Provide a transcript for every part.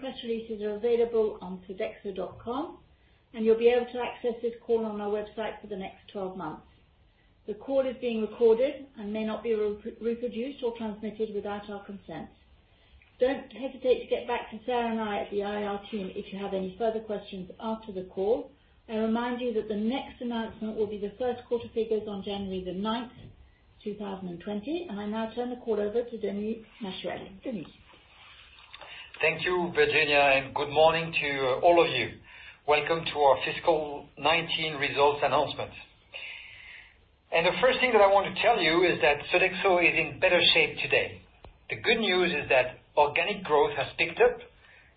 Some press releases are available on sodexo.com, and you'll be able to access this call on our website for the next 12 months. The call is being recorded and may not be reproduced or transmitted without our consent. Don't hesitate to get back to Sarah and I at the IR team if you have any further questions after the call. I remind you that the next announcement will be the first quarter figures on January 9th, 2020. I now turn the call over to Denis Machuel. Denis. Thank you, Virginia. Good morning to all of you. Welcome to our fiscal 2019 results announcement. The first thing that I want to tell you is that Sodexo is in better shape today. The good news is that organic growth has picked up,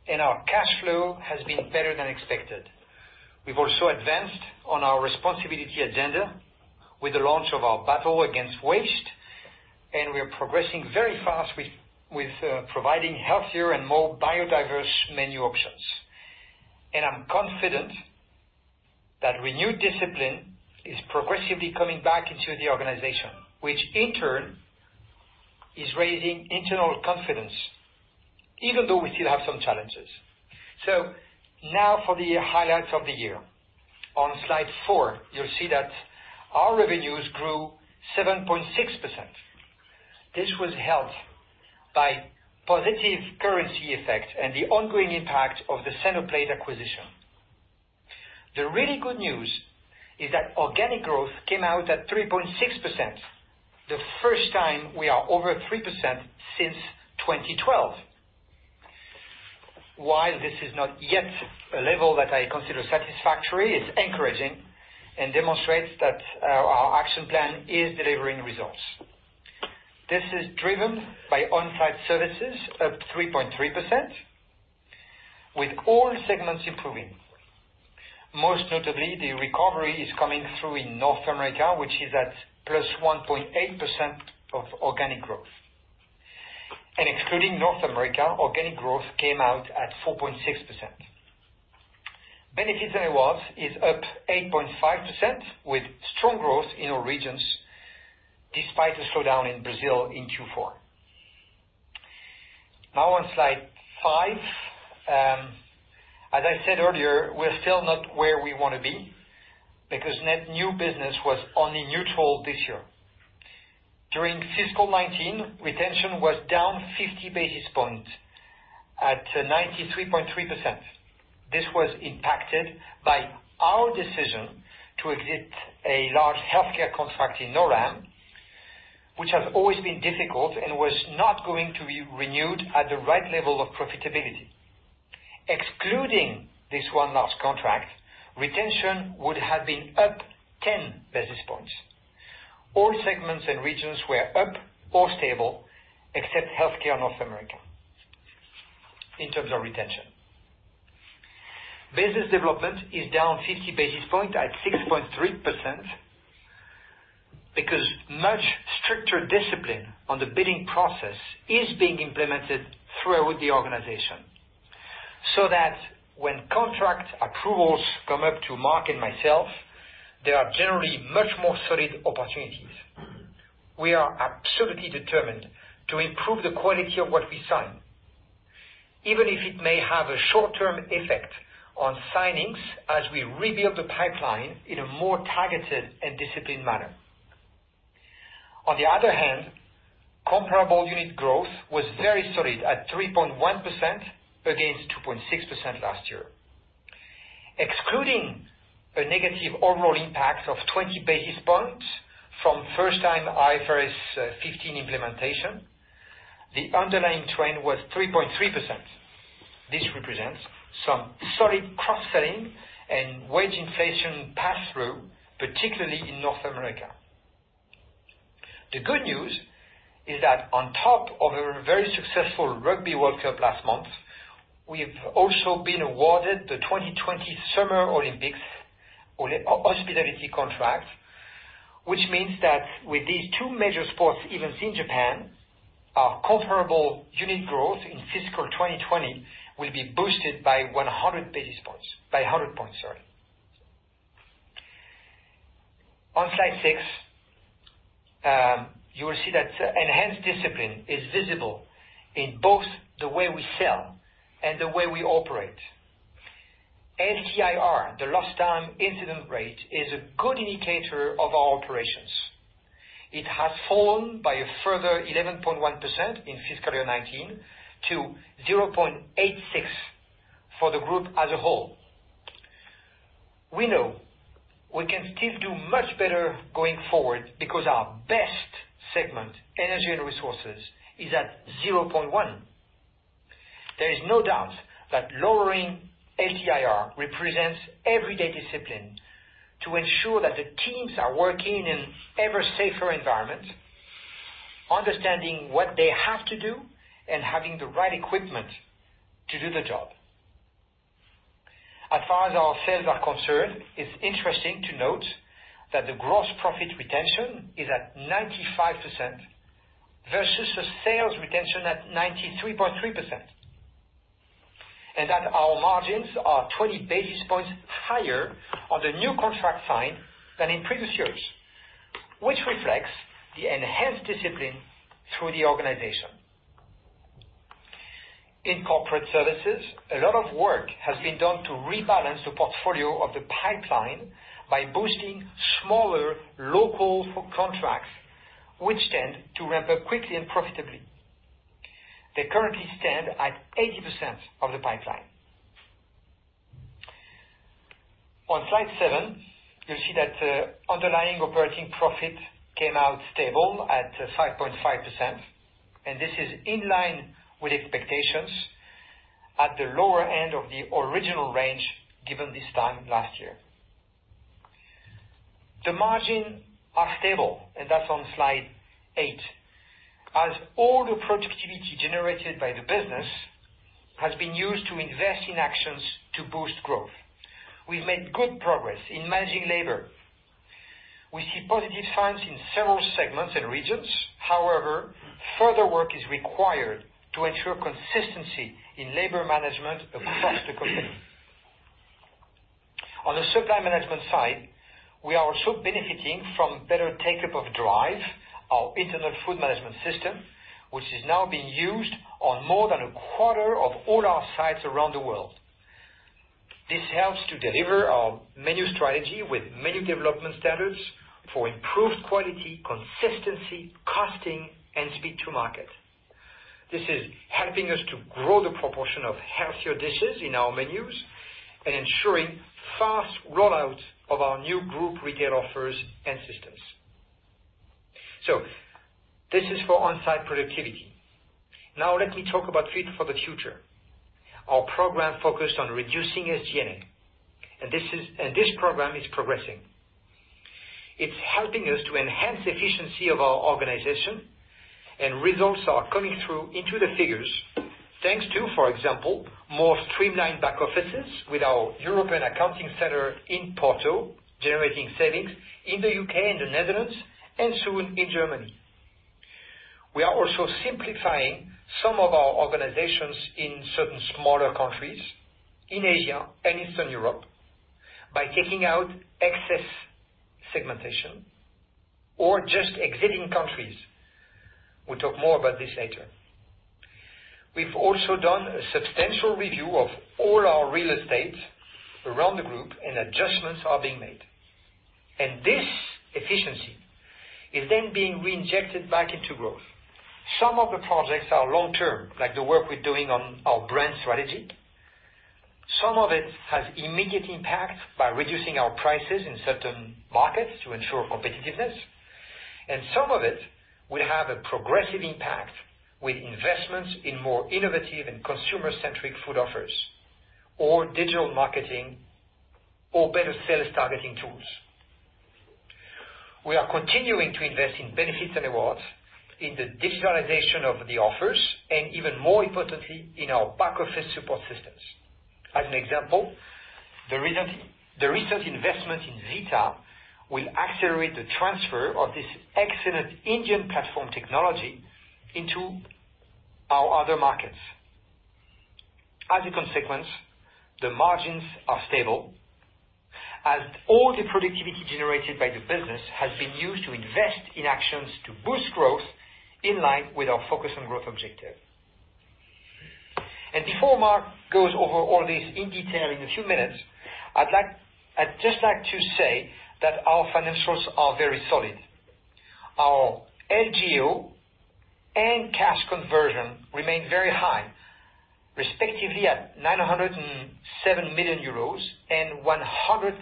and our cash flow has been better than expected. We've also advanced on our responsibility agenda with the launch of our battle against waste, and we are progressing very fast with providing healthier and more biodiverse menu options. I'm confident that renewed discipline is progressively coming back into the organization, which in turn is raising internal confidence, even though we still have some challenges. Now for the highlights of the year. On slide four, you'll see that our revenues grew 7.6%. This was helped by positive currency effect and the ongoing impact of the Centerplate acquisition. The really good news is that organic growth came out at 3.6%, the first time we are over 3% since 2012. While this is not yet a level that I consider satisfactory, it's encouraging and demonstrates that our action plan is delivering results. This is driven by on-site services up 3.3% with all segments improving. Most notably, the recovery is coming through in North America, which is at +1.8% of organic growth. Excluding North America, organic growth came out at 4.6%. Benefits and Rewards is up 8.5% with strong growth in all regions, despite a slowdown in Brazil in Q4. Now on slide five. As I said earlier, we're still not where we want to be because net new business was only neutral this year. During fiscal 2019, retention was down 50 basis points at 93.3%. This was impacted by our decision to exit a large healthcare contract in NORAM, which has always been difficult and was not going to be renewed at the right level of profitability. Excluding this one last contract, retention would have been up 10 basis points. All segments and regions were up or stable except healthcare North America in terms of retention. Business development is down 50 basis points at 6.3% because much stricter discipline on the bidding process is being implemented throughout the organization, so that when contract approvals come up to Marc and myself, they are generally much more solid opportunities. We are absolutely determined to improve the quality of what we sign, even if it may have a short-term effect on signings as we rebuild the pipeline in a more targeted and disciplined manner. On the other hand, comparable unit growth was very solid at 3.1% against 2.6% last year. Excluding a negative overall impact of 20 basis points from first-time IFRS 15 implementation, the underlying trend was 3.3%. This represents some solid cross-selling and wage inflation pass-through, particularly in North America. The good news is that on top of a very successful Rugby World Cup last month, we've also been awarded the 2020 Summer Olympics hospitality contract, which means that with these two major sports events in Japan, our comparable unit growth in fiscal 2020 will be boosted by 100 basis points. By 100 points, sorry. On slide six, you will see that enhanced discipline is visible in both the way we sell and the way we operate. LTIR, the lost time incident rate, is a good indicator of our operations. It has fallen by a further 11.1% in fiscal year 2019 to 0.86 for the group as a whole. We know we can still do much better going forward because our best segment, Energy & Resources, is at 0.1. There is no doubt that lowering LTIR represents everyday discipline to ensure that the teams are working in an ever-safer environment, understanding what they have to do, and having the right equipment to do the job. As far as our sales are concerned, it's interesting to note that the gross profit retention is at 95% versus the sales retention at 93.3%. Our margins are 20 basis points higher on the new contract signed than in previous years, which reflects the enhanced discipline through the organization. In Corporate Services, a lot of work has been done to rebalance the portfolio of the pipeline by boosting smaller local contracts, which tend to ramp up quickly and profitably. They currently stand at 80% of the pipeline. On slide seven, you'll see that the underlying operating profit came out stable at 5.5%. This is in line with expectations at the lower end of the original range, given this time last year. The margin are stable, That's on slide eight, as all the productivity generated by the business has been used to invest in actions to boost growth. We've made good progress in managing labor. We see positive signs in several segments and regions. However, further work is required to ensure consistency in labor management across the company. On the supply management side, we are also benefiting from better takeup of DRIVE, our internal food management system, which is now being used on more than a quarter of all our sites around the world. This helps to deliver our menu strategy with menu development standards for improved quality, consistency, costing, and speed to market. This is helping us to grow the proportion of healthier dishes in our menus and ensuring fast rollout of our new group retail offers and systems. This is for on-site productivity. Now let me talk about Fit for the Future, our program focused on reducing SG&A. This program is progressing. It's helping us to enhance efficiency of our organization, and results are coming through into the figures. Thanks to, for example, more streamlined back offices with our European accounting center in Porto, generating savings in the U.K. and the Netherlands, and soon in Germany. We are also simplifying some of our organizations in certain smaller countries in Asia and Eastern Europe by taking out excess segmentation or just exiting countries. We'll talk more about this later. We've also done a substantial review of all our real estate around the group, and adjustments are being made. This efficiency is then being reinjected back into growth. Some of the projects are long-term, like the work we're doing on our brand strategy. Some of it has immediate impact by reducing our prices in certain markets to ensure competitiveness. Some of it will have a progressive impact with investments in more innovative and consumer-centric food offers or digital marketing or better sales targeting tools. We are continuing to invest in benefits and rewards in the digitalization of the offers, and even more importantly, in our back-office support systems. As an example, the recent investment in Zeta will accelerate the transfer of this excellent Indian platform technology into our other markets. As a consequence, the margins are stable, as all the productivity generated by the business has been used to invest in actions to boost growth in line with our focus on growth objective. Before Marc goes over all this in detail in a few minutes, I'd just like to say that our financials are very solid. Our EBIT and cash conversion remain very high, respectively at 907 million euros and 136%.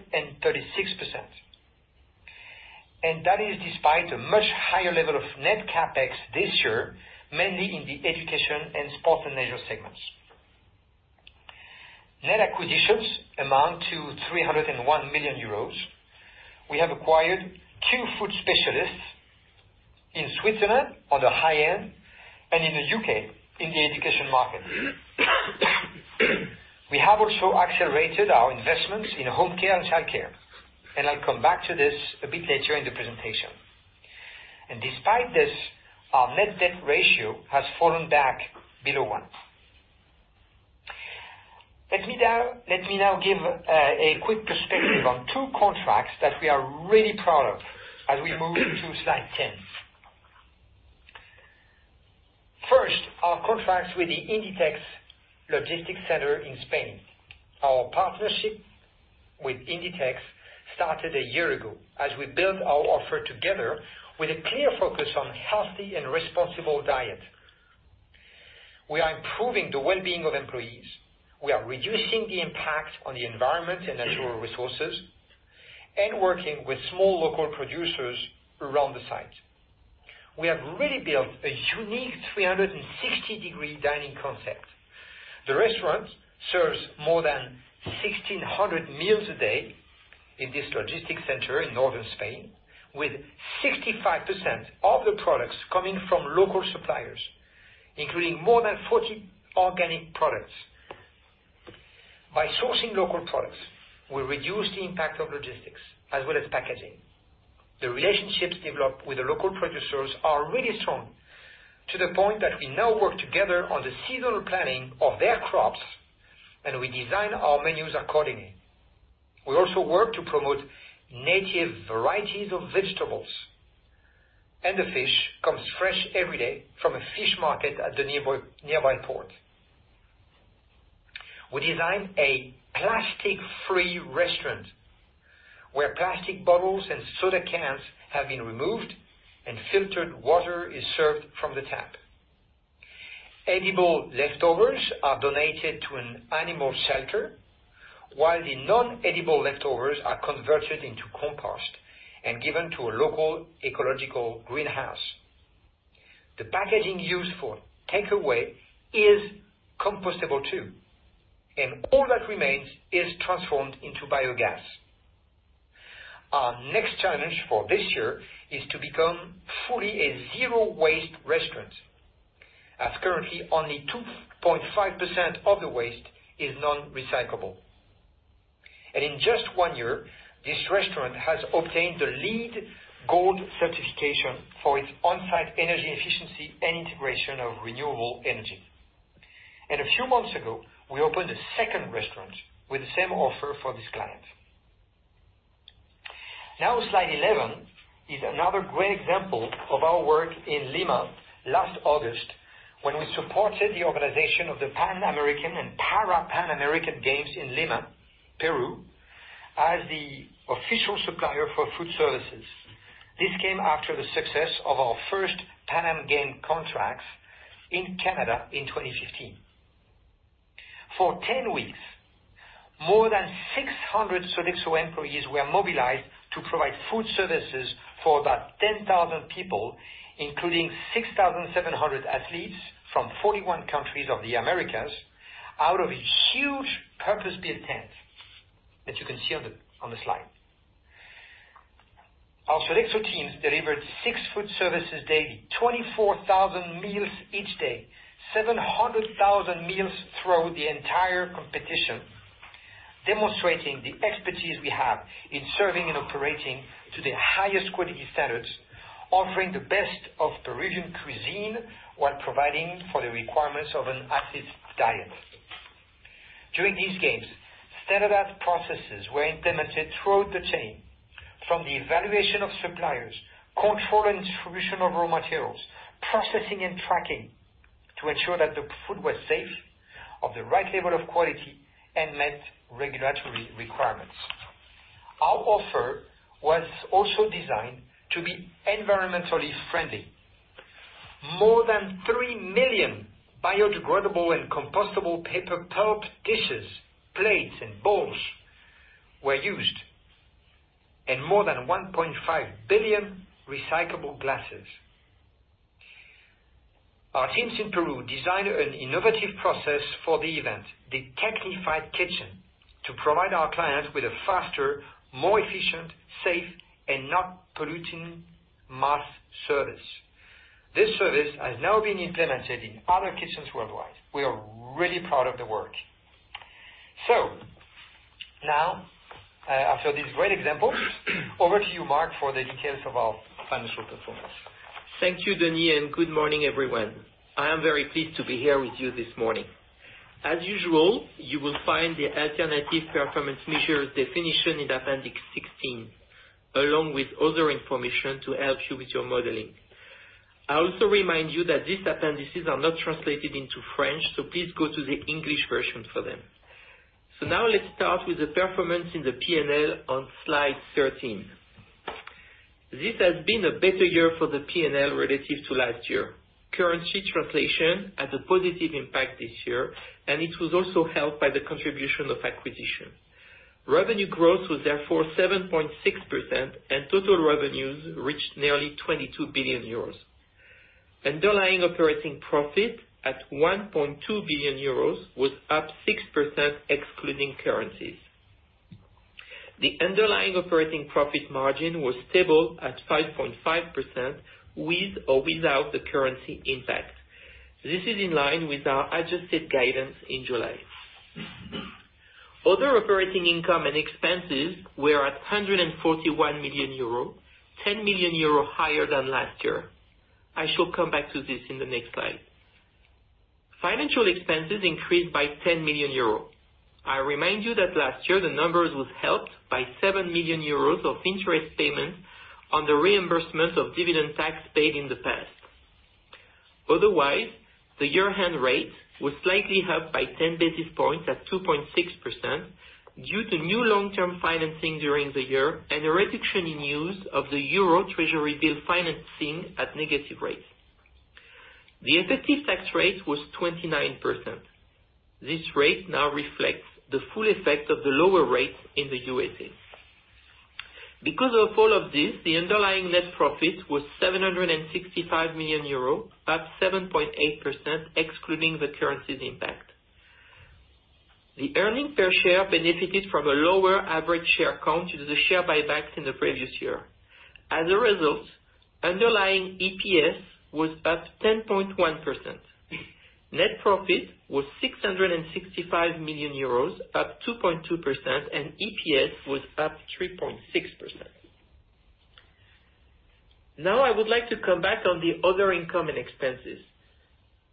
That is despite a much higher level of net CapEx this year, mainly in the education and sports and leisure segments. Net acquisitions amount to 301 million euros. We have acquired two food specialists in Switzerland on the high end and in the U.K. in the education market. I'll come back to this a bit later in the presentation. Despite this, our net debt ratio has fallen back below one. Let me now give a quick perspective on two contracts that we are really proud of as we move to slide 10. First, our contracts with the Inditex Logistics Center in Spain. Our partnership with Inditex started a year ago as we built our offer together with a clear focus on healthy and responsible diet. We are improving the well-being of employees. We are reducing the impact on the environment and natural resources and working with small local producers around the site. We have really built a unique 360-degree dining concept. The restaurant serves more than 1,600 meals a day in this logistics center in northern Spain, with 65% of the products coming from local suppliers, including more than 40 organic products. By sourcing local products, we reduce the impact of logistics as well as packaging. The relationships developed with the local producers are really strong, to the point that we now work together on the seasonal planning of their crops. We design our menus accordingly. We also work to promote native varieties of vegetables. The fish comes fresh every day from a fish market at the nearby port. We designed a plastic-free restaurant, where plastic bottles and soda cans have been removed, and filtered water is served from the tap. Edible leftovers are donated to an animal shelter, while the non-edible leftovers are converted into compost and given to a local ecological greenhouse. The packaging used for takeaway is compostable too. All that remains is transformed into biogas. Our next challenge for this year is to become fully a zero-waste restaurant, as currently only 2.5% of the waste is non-recyclable. In just one year, this restaurant has obtained the LEED Gold certification for its on-site energy efficiency and integration of renewable energy. A few months ago, we opened a second restaurant with the same offer for this client. Slide 11 is another great example of our work in Lima last August, when we supported the organization of the Pan American and Parapan American Games in Lima, Peru, as the official supplier for food services. This came after the success of our first Pan Am game contracts in Canada in 2015. For 10 weeks, more than 600 Sodexo employees were mobilized to provide food services for about 10,000 people, including 6,700 athletes from 41 countries of the Americas, out of a huge purpose-built tent that you can see on the slide. Our Sodexo teams delivered six food services daily, 24,000 meals each day, 700,000 meals throughout the entire competition. Demonstrating the expertise we have in serving and operating to the highest quality standards, offering the best of Peruvian cuisine while providing for the requirements of an athlete's diet. During these games, standard processes were implemented throughout the chain, from the evaluation of suppliers, control, and distribution of raw materials, processing and tracking to ensure that the food was safe, of the right level of quality, and met regulatory requirements. Our offer was also designed to be environmentally friendly. More than 3 million biodegradable and compostable paper pulp dishes, plates, and bowls were used, and more than 1.5 billion recyclable glasses. Our teams in Peru designed an innovative process for the event, the technified kitchen, to provide our clients with a faster, more efficient, safe, and not polluting mass service. This service has now been implemented in other kitchens worldwide. We are really proud of the work. Now, after this great example, over to you, Marc, for the details of our financial performance. Thank you, Denis, and good morning, everyone. I am very pleased to be here with you this morning. As usual, you will find the alternative performance measures definition in appendix 16, along with other information to help you with your modeling. I also remind you that these appendices are not translated into French, please go to the English version for them. Now let's start with the performance in the P&L on slide 13. This has been a better year for the P&L relative to last year. Currency translation had a positive impact this year, and it was also helped by the contribution of acquisition. Revenue growth was therefore 7.6%, and total revenues reached nearly 22 billion euros. Underlying operating profit at 1.2 billion euros was up 6%, excluding currencies. The underlying operating profit margin was stable at 5.5%, with or without the currency impact. This is in line with our adjusted guidance in July. Other operating income and expenses were at 141 million euro, 10 million euro higher than last year. I shall come back to this in the next slide. Financial expenses increased by 10 million euros. I remind you that last year the numbers was helped by 7 million euros of interest payments on the reimbursement of dividend tax paid in the past. Otherwise, the year-end rate was slightly helped by 10 basis points at 2.6% due to new long-term financing during the year and a reduction in use of the Euro Treasury bill financing at negative rates. The effective tax rate was 29%. This rate now reflects the full effect of the lower rates in the U.S. Because of all of this, the underlying net profit was 765 million euros, up 7.8%, excluding the currency's impact. The earning per share benefited from a lower average share count due to the share buybacks in the previous year. As a result, underlying EPS was up 10.1%. Net profit was 665 million euros, up 2.2%, and EPS was up 3.6%. Now I would like to come back on the other income and expenses.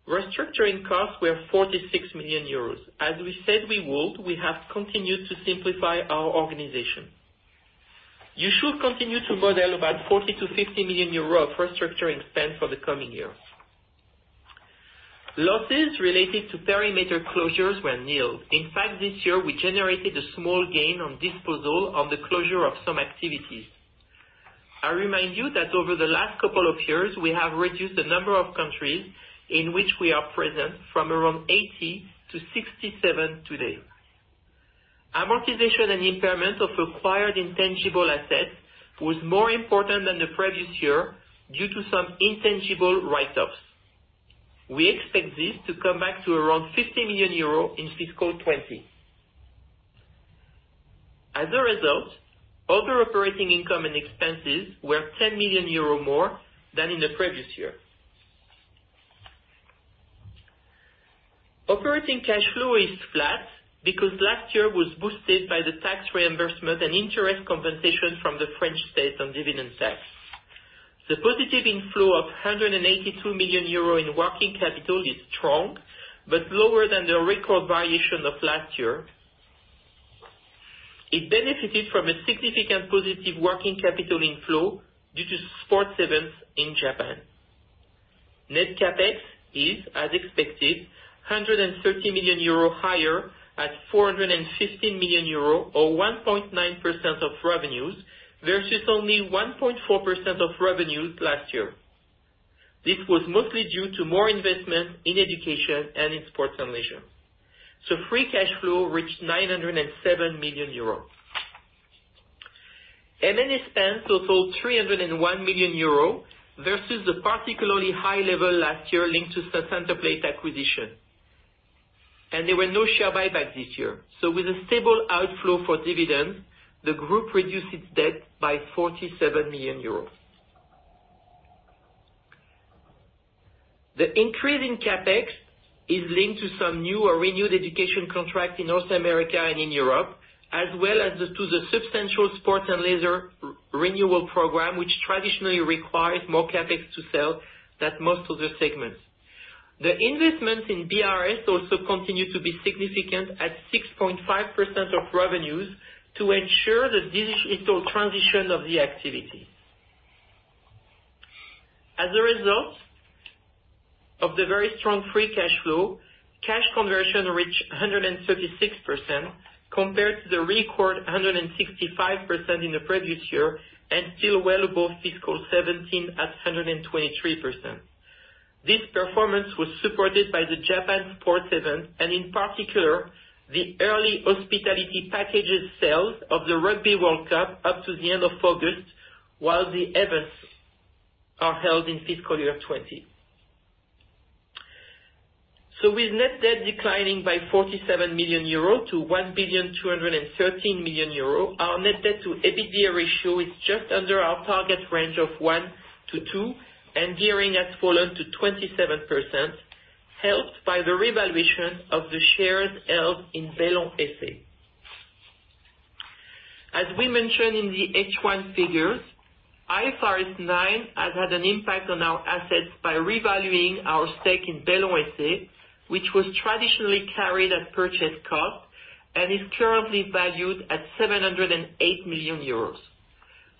Restructuring costs were 46 million euros. As we said we would, we have continued to simplify our organization. You should continue to model about 40 million-50 million euro of restructuring spend for the coming year. Losses related to perimeter closures were nil. In fact, this year we generated a small gain on disposal on the closure of some activities. I remind you that over the last couple of years, we have reduced the number of countries in which we are present from around 80 to 67 today. Amortization and impairment of acquired intangible assets was more important than the previous year due to some intangible write-offs. We expect this to come back to around 50 million euros in fiscal 2020. As a result, other operating income and expenses were 10 million euro more than in the previous year. Operating cash flow is flat because last year was boosted by the tax reimbursement and interest compensation from the French state on dividend tax. The positive inflow of 182 million euro in working capital is strong, but lower than the record variation of last year. It benefited from a significant positive working capital inflow due to sports events in Japan. Net CapEx is, as expected, 130 million euro higher at 415 million euro, or 1.9% of revenues versus only 1.4% of revenues last year. This was mostly due to more investment in education and in sports and leisure. Free Cash Flow reached 907 million euro. M&A spends totaled 301 million euro versus a particularly high level last year linked to Centerplate acquisition. There were no share buybacks this year. With a stable outflow for dividends, the group reduced its debt by 47 million euros. The increase in CapEx is linked to some new or renewed education contracts in North America and in Europe, as well as to the substantial sports and leisure renewal program, which traditionally requires more CapEx to sell than most other segments. The investments in BRS also continue to be significant at 6.5% of revenues to ensure the digital transition of the activity. As a result of the very strong Free Cash Flow, cash conversion reached 136% compared to the record 165% in the previous year, and still well above FY 2017 at 123%. This performance was supported by the Japan sports event and in particular, the early hospitality packages sales of the Rugby World Cup up to the end of August, while the events are held in fiscal year 2020. With net debt declining by 47 million-1.213 billion euro, our net debt to EBITDA ratio is just under our target range of 1:2, and gearing has fallen to 27%, helped by the revaluation of the shares held in Bellon SA. As we mentioned in the H1 figures, IFRS 9 has had an impact on our assets by revaluing our stake in Bellon SA, which was traditionally carried at purchase cost and is currently valued at 708 million euros.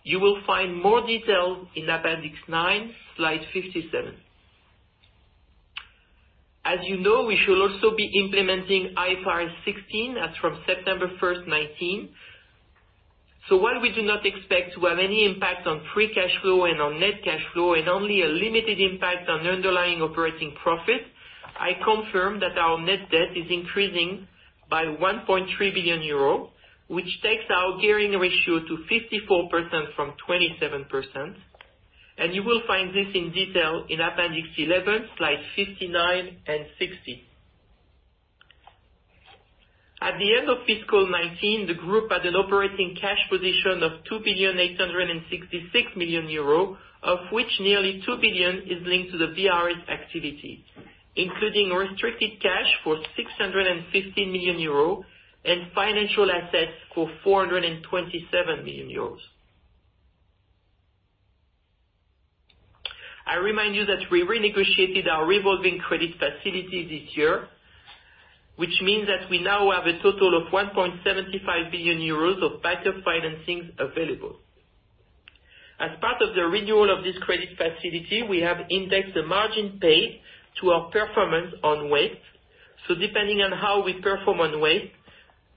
You will find more details in appendix nine, slide 57. As you know, we shall also be implementing IFRS 16 as from September 1st, 2019. While we do not expect to have any impact on free cash flow and on net cash flow, and only a limited impact on underlying operating profit, I confirm that our net debt is increasing by 1.3 billion euros, which takes our gearing ratio to 54% from 27%. You will find this in detail in appendix 11, slide 59 and 60. At the end of fiscal 2019, the group had an operating cash position of 2.866 billion, of which nearly 2 billion is linked to the BRS activity, including restricted cash for 650 million euro and financial assets for 427 million euros. I remind you that we renegotiated our revolving credit facility this year, which means that we now have a total of 1.75 billion euros of backup financings available. As part of the renewal of this credit facility, we have indexed the margin paid to our performance on waste. Depending on how we perform on waste,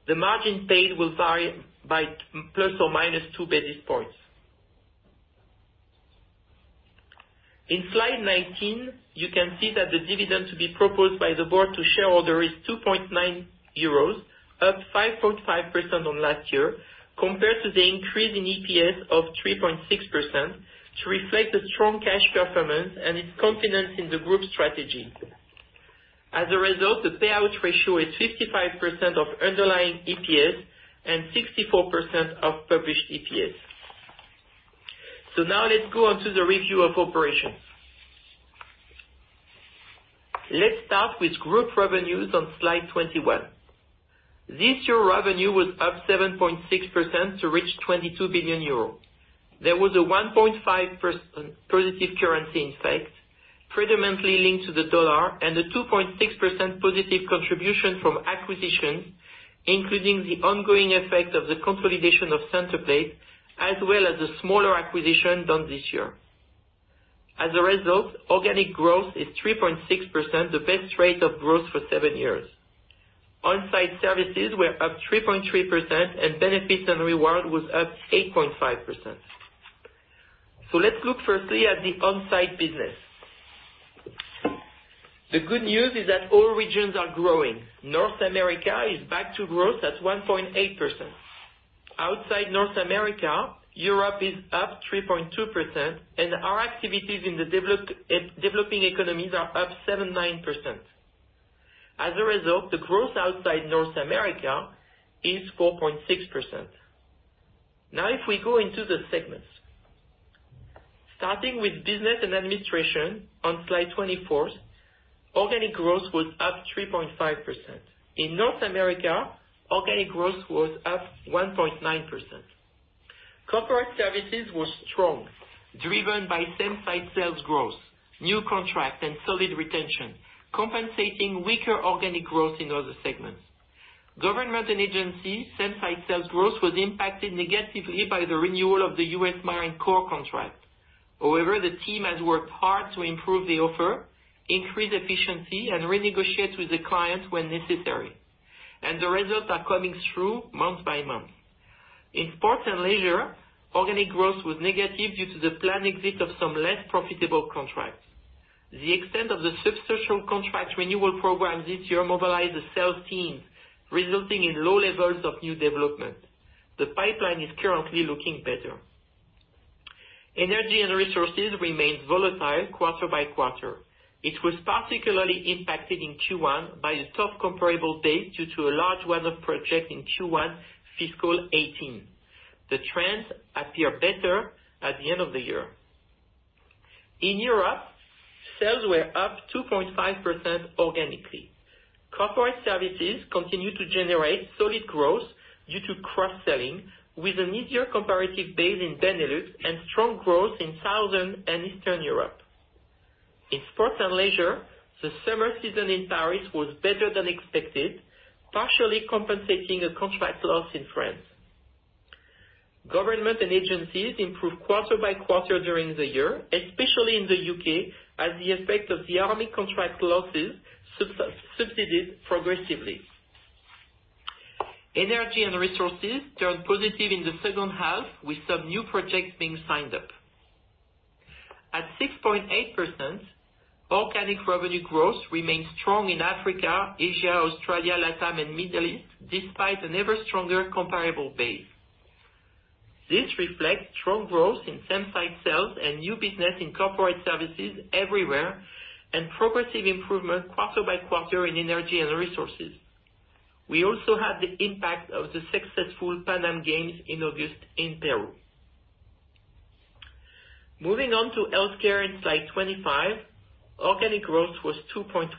the margin paid will vary by ±2 basis points. In slide 19, you can see that the dividend to be proposed by the board to shareholder is 2.9 euros, up 5.5% on last year, compared to the increase in EPS of 3.6%, to reflect the strong cash performance and its confidence in the group strategy. As a result, the payout ratio is 55% of underlying EPS and 64% of published EPS. Now let's go onto the review of operations. Group revenues on slide 21. This year, revenue was up 7.6% to reach 22 billion euros. There was a 1.5% positive currency effect, predominantly linked to the U.S. dollar, and a 2.6% positive contribution from acquisitions, including the ongoing effect of the consolidation of Centerplate, as well as the smaller acquisition done this year. As a result, organic growth is 3.6%, the best rate of growth for seven years. On-site services were up 3.3%, and benefits and reward was up 8.5%. Let's look firstly at the on-site business. The good news is that all regions are growing. North America is back to growth at 1.8%. Outside North America, Europe is up 3.2%, and our activities in the developing economies are up 7%, 9%. As a result, the growth outside North America is 4.6%. If we go into the segments. Starting with Business and Administration on slide 24, organic growth was up 3.5%. In North America, organic growth was up 1.9%. Corporate services were strong, driven by same-site sales growth, new contracts, and solid retention, compensating weaker organic growth in other segments. Government and agencies same-site sales growth was impacted negatively by the renewal of the U.S. Marine Corps contract. However, the team has worked hard to improve the offer, increase efficiency, and renegotiate with the clients when necessary, and the results are coming through month by month. In sports and leisure, organic growth was negative due to the planned exit of some less profitable contracts. The extent of the substantial contract renewal program this year mobilized the sales team, resulting in low levels of new development. The pipeline is currently looking better. Energy & Resources remained volatile quarter by quarter. It was particularly impacted in Q1 by a tough comparable base due to a large weather project in Q1 fiscal 2018. The trends appear better at the end of the year. In Europe, sales were up 2.5% organically. Corporate Services continued to generate solid growth due to cross-selling, with an easier comparative base in Benelux and strong growth in Southern and Eastern Europe. In sports and leisure, the summer season in Paris was better than expected, partially compensating a contract loss in France. Government and agencies improved quarter by quarter during the year, especially in the U.K., as the effect of the army contract losses subsided progressively. Energy and resources turned positive in the second half, with some new projects being signed up. At 6.8%, organic revenue growth remains strong in Africa, Asia, Australia, LATAM, and Middle East, despite an ever stronger comparable base. This reflects strong growth in same-site sales and new business in corporate services everywhere, and progressive improvement quarter by quarter in energy and resources. We also have the impact of the successful Pan American Games in August in Peru. Moving on to healthcare in slide 25, organic growth was 2.1%.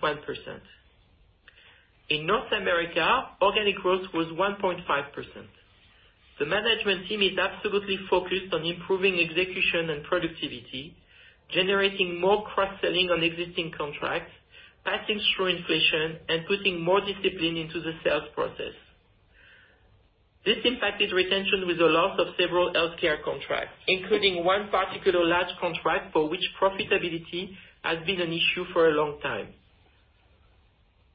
In North America, organic growth was 1.5%. The management team is absolutely focused on improving execution and productivity, generating more cross-selling on existing contracts, passing through inflation, and putting more discipline into the sales process. This impacted retention with the loss of several healthcare contracts, including one particular large contract for which profitability has been an issue for a long time.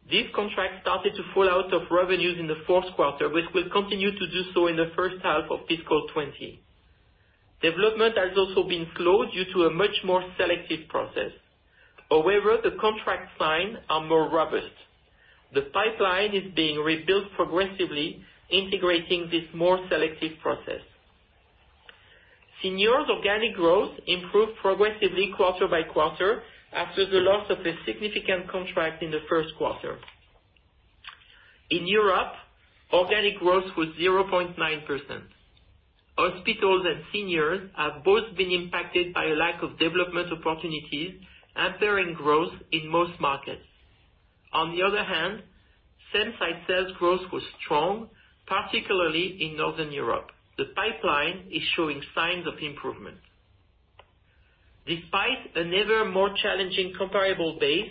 This contract started to fall out of revenues in the fourth quarter, which will continue to do so in the first half of fiscal 2020. Development has also been slow due to a much more selective process. However, the contracts signed are more robust. The pipeline is being rebuilt progressively, integrating this more selective process. seniors organic growth improved progressively quarter by quarter after the loss of a significant contract in the first quarter. In Europe, organic growth was 0.9%. Hospitals and seniors have both been impacted by a lack of development opportunities, impairing growth in most markets. On the other hand, same-site sales growth was strong, particularly in Northern Europe. The pipeline is showing signs of improvement. Despite an ever more challenging comparable base,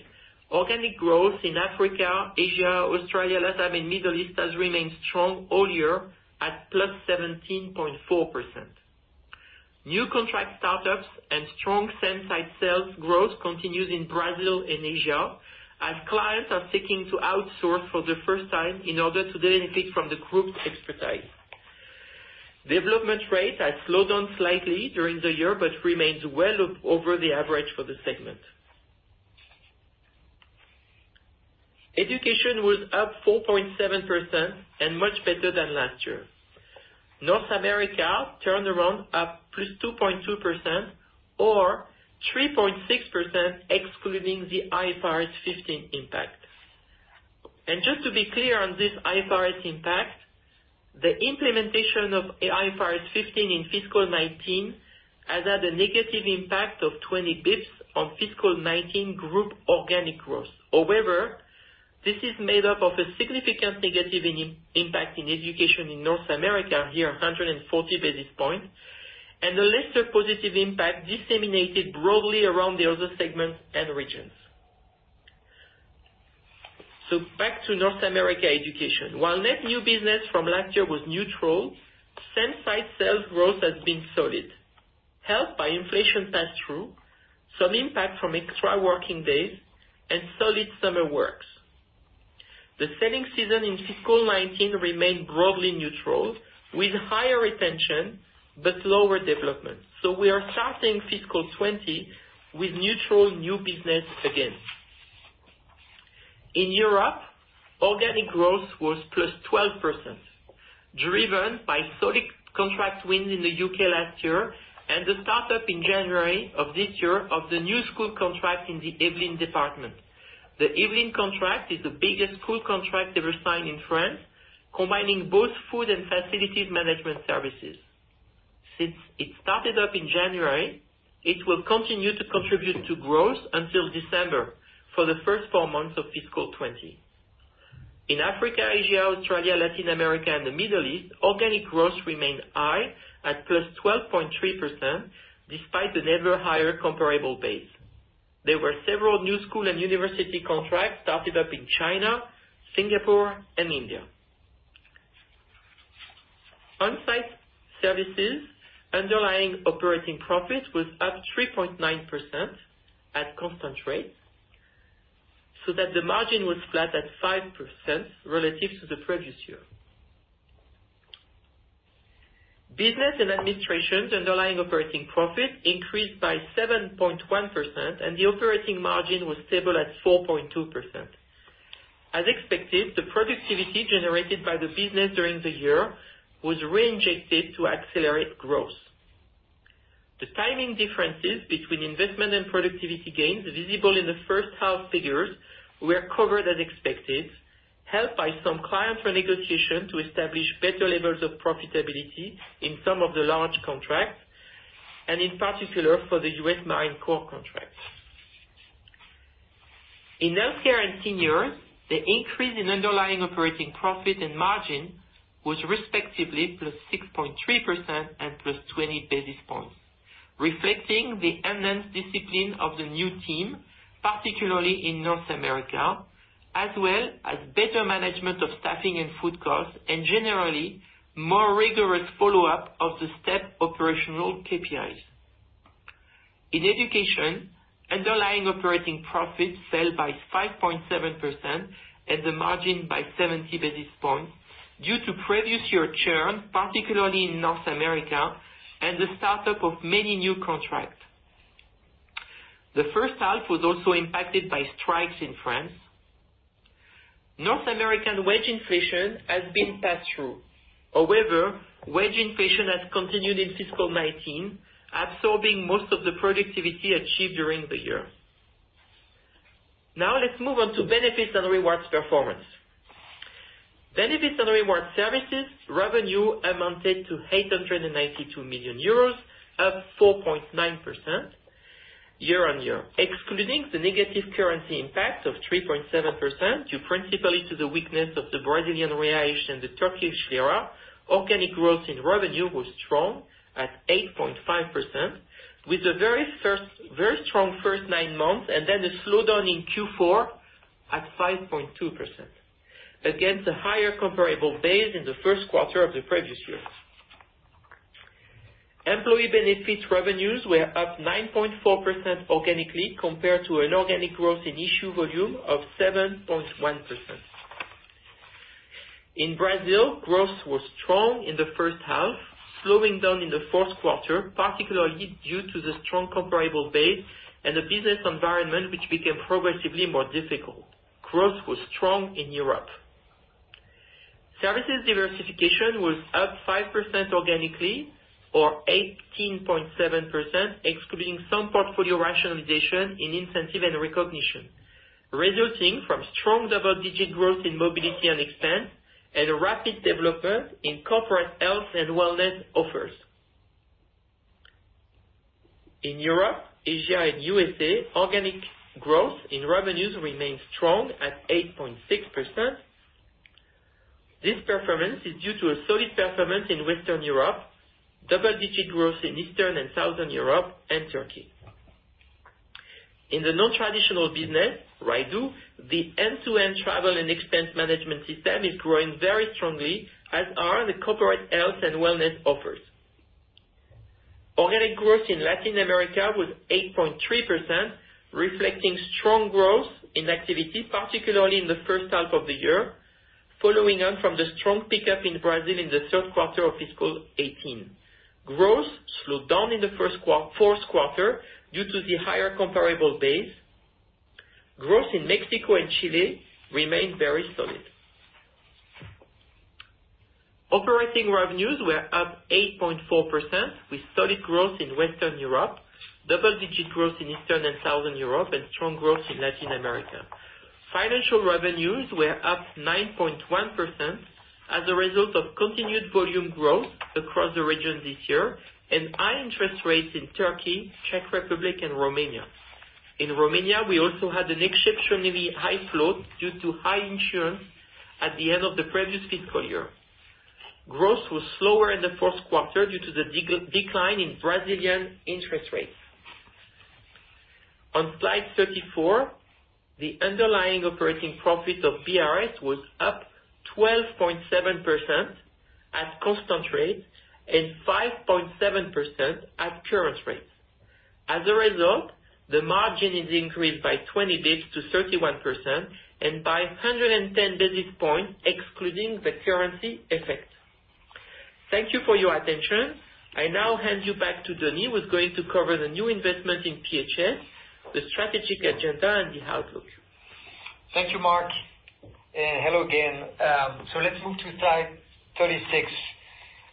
organic growth in Africa, Asia, Australia, LATAM, and Middle East has remained strong all year at +17.4%. New contract startups and strong same-site sales growth continues in Brazil and Asia as clients are seeking to outsource for the first time in order to benefit from the group's expertise. Development rate has slowed down slightly during the year but remains well up over the average for the segment. Education was +4.7% and much better than last year. North America turned around up +2.2%, or 3.6% excluding the IFRS 15. Just to be clear on this IFRS impact, the implementation of IFRS 15 in fiscal 2019 has had a negative impact of 20 basis points on fiscal 2019 group organic growth. However, this is made up of a significant negative impact in education in North America here, 140 basis points, and a lesser positive impact disseminated broadly around the other segments and regions. Back to North America education. While net new business from last year was neutral, same-site sales growth has been solid, helped by inflation pass-through, some impact from extra working days, and solid summer works. The selling season in fiscal 2019 remained broadly neutral, with higher retention but lower development. We are starting fiscal 2020 with neutral new business again. In Europe, organic growth was +12%, driven by solid contract wins in the U.K. last year and the start-up in January of this year of the new school contract in the Yvelines department. The Yvelines contract is the biggest school contract ever signed in France, combining both food and facilities management services. Since it started up in January, it will continue to contribute to growth until December for the first four months of fiscal 2020. In Africa, Asia, Australia, Latin America, and the Middle East, organic growth remained high at +12.3%, despite an ever-higher comparable base. There were several new school and university contracts started up in China, Singapore, and India. On-site services underlying operating profit was up 3.9% at constant rates so that the margin was flat at 5% relative to the previous year. Business and Administrations underlying operating profit increased by 7.1%. The operating margin was stable at 4.2%. As expected, the productivity generated by the business during the year was reinjected to accelerate growth. The timing differences between investment and productivity gains visible in the first half figures were covered as expected, helped by some client renegotiation to establish better levels of profitability in some of the large contracts, and in particular for the U.S. Marine Corps contract. In healthcare and seniors, the increase in underlying operating profit and margin was respectively +6.3% and +20 basis points, reflecting the enhanced discipline of the new team, particularly in North America, as well as better management of staffing and food costs, and generally more rigorous follow-up of the STEP operational KPIs. In education, underlying operating profit fell by 5.7% and the margin by 70 basis points due to previous year churn, particularly in North America, and the start-up of many new contracts. The first half was also impacted by strikes in France. North American wage inflation has been passed through. Wage inflation has continued in fiscal 2019, absorbing most of the productivity achieved during the year. Let's move on to benefits and rewards performance. Benefits and rewards services revenue amounted to 892 million euros, up 4.9% year-on-year. Excluding the negative currency impact of 3.7% due principally to the weakness of the Brazilian real and the Turkish lira, organic growth in revenue was strong at 8.5%, with a very strong first nine months and then a slowdown in Q4 at 5.2% against a higher comparable base in the first quarter of the previous year. Employee benefits revenues were up 9.4% organically compared to an organic growth in issue volume of 7.1%. In Brazil, growth was strong in the first half, slowing down in the fourth quarter, particularly due to the strong comparable base and the business environment which became progressively more difficult. Growth was strong in Europe. Services diversification was up 5% organically or 18.7%, excluding some portfolio rationalization in incentive and recognition, resulting from strong double-digit growth in mobility and expense and rapid development in corporate health and wellness offers. In Europe, Asia, and U.S.A., organic growth in revenues remained strong at 8.6%. This performance is due to a solid performance in Western Europe, double-digit growth in Eastern and Southern Europe and Turkey. In the non-traditional business, Rydoo, the end-to-end travel and expense management system is growing very strongly, as are the corporate health and wellness offers. Organic growth in Latin America was 8.3%, reflecting strong growth in activity, particularly in the first half of the year, following on from the strong pickup in Brazil in the third quarter of fiscal 2018. Growth slowed down in the fourth quarter due to the higher comparable base. Growth in Mexico and Chile remained very solid. Operating revenues were up 8.4%, with solid growth in Western Europe, double-digit growth in Eastern and Southern Europe, and strong growth in Latin America. Financial revenues were up 9.1% as a result of continued volume growth across the region this year and high interest rates in Turkey, Czech Republic, and Romania. In Romania, we also had an exceptionally high float due to high insurance at the end of the previous fiscal year. Growth was slower in the fourth quarter due to the decline in Brazilian interest rates. On slide 34, the underlying operating profit of BRS was up 12.7% at constant rates and 5.7% at current rates. As a result, the margin is increased by 20 basis points to 31% and by 110 basis points excluding the currency effect. Thank you for your attention. I now hand you back to Denis, who is going to cover the new investment in PHS, the strategic agenda, and the outlook. Thank you, Marc, and hello again. Let's move to slide 36,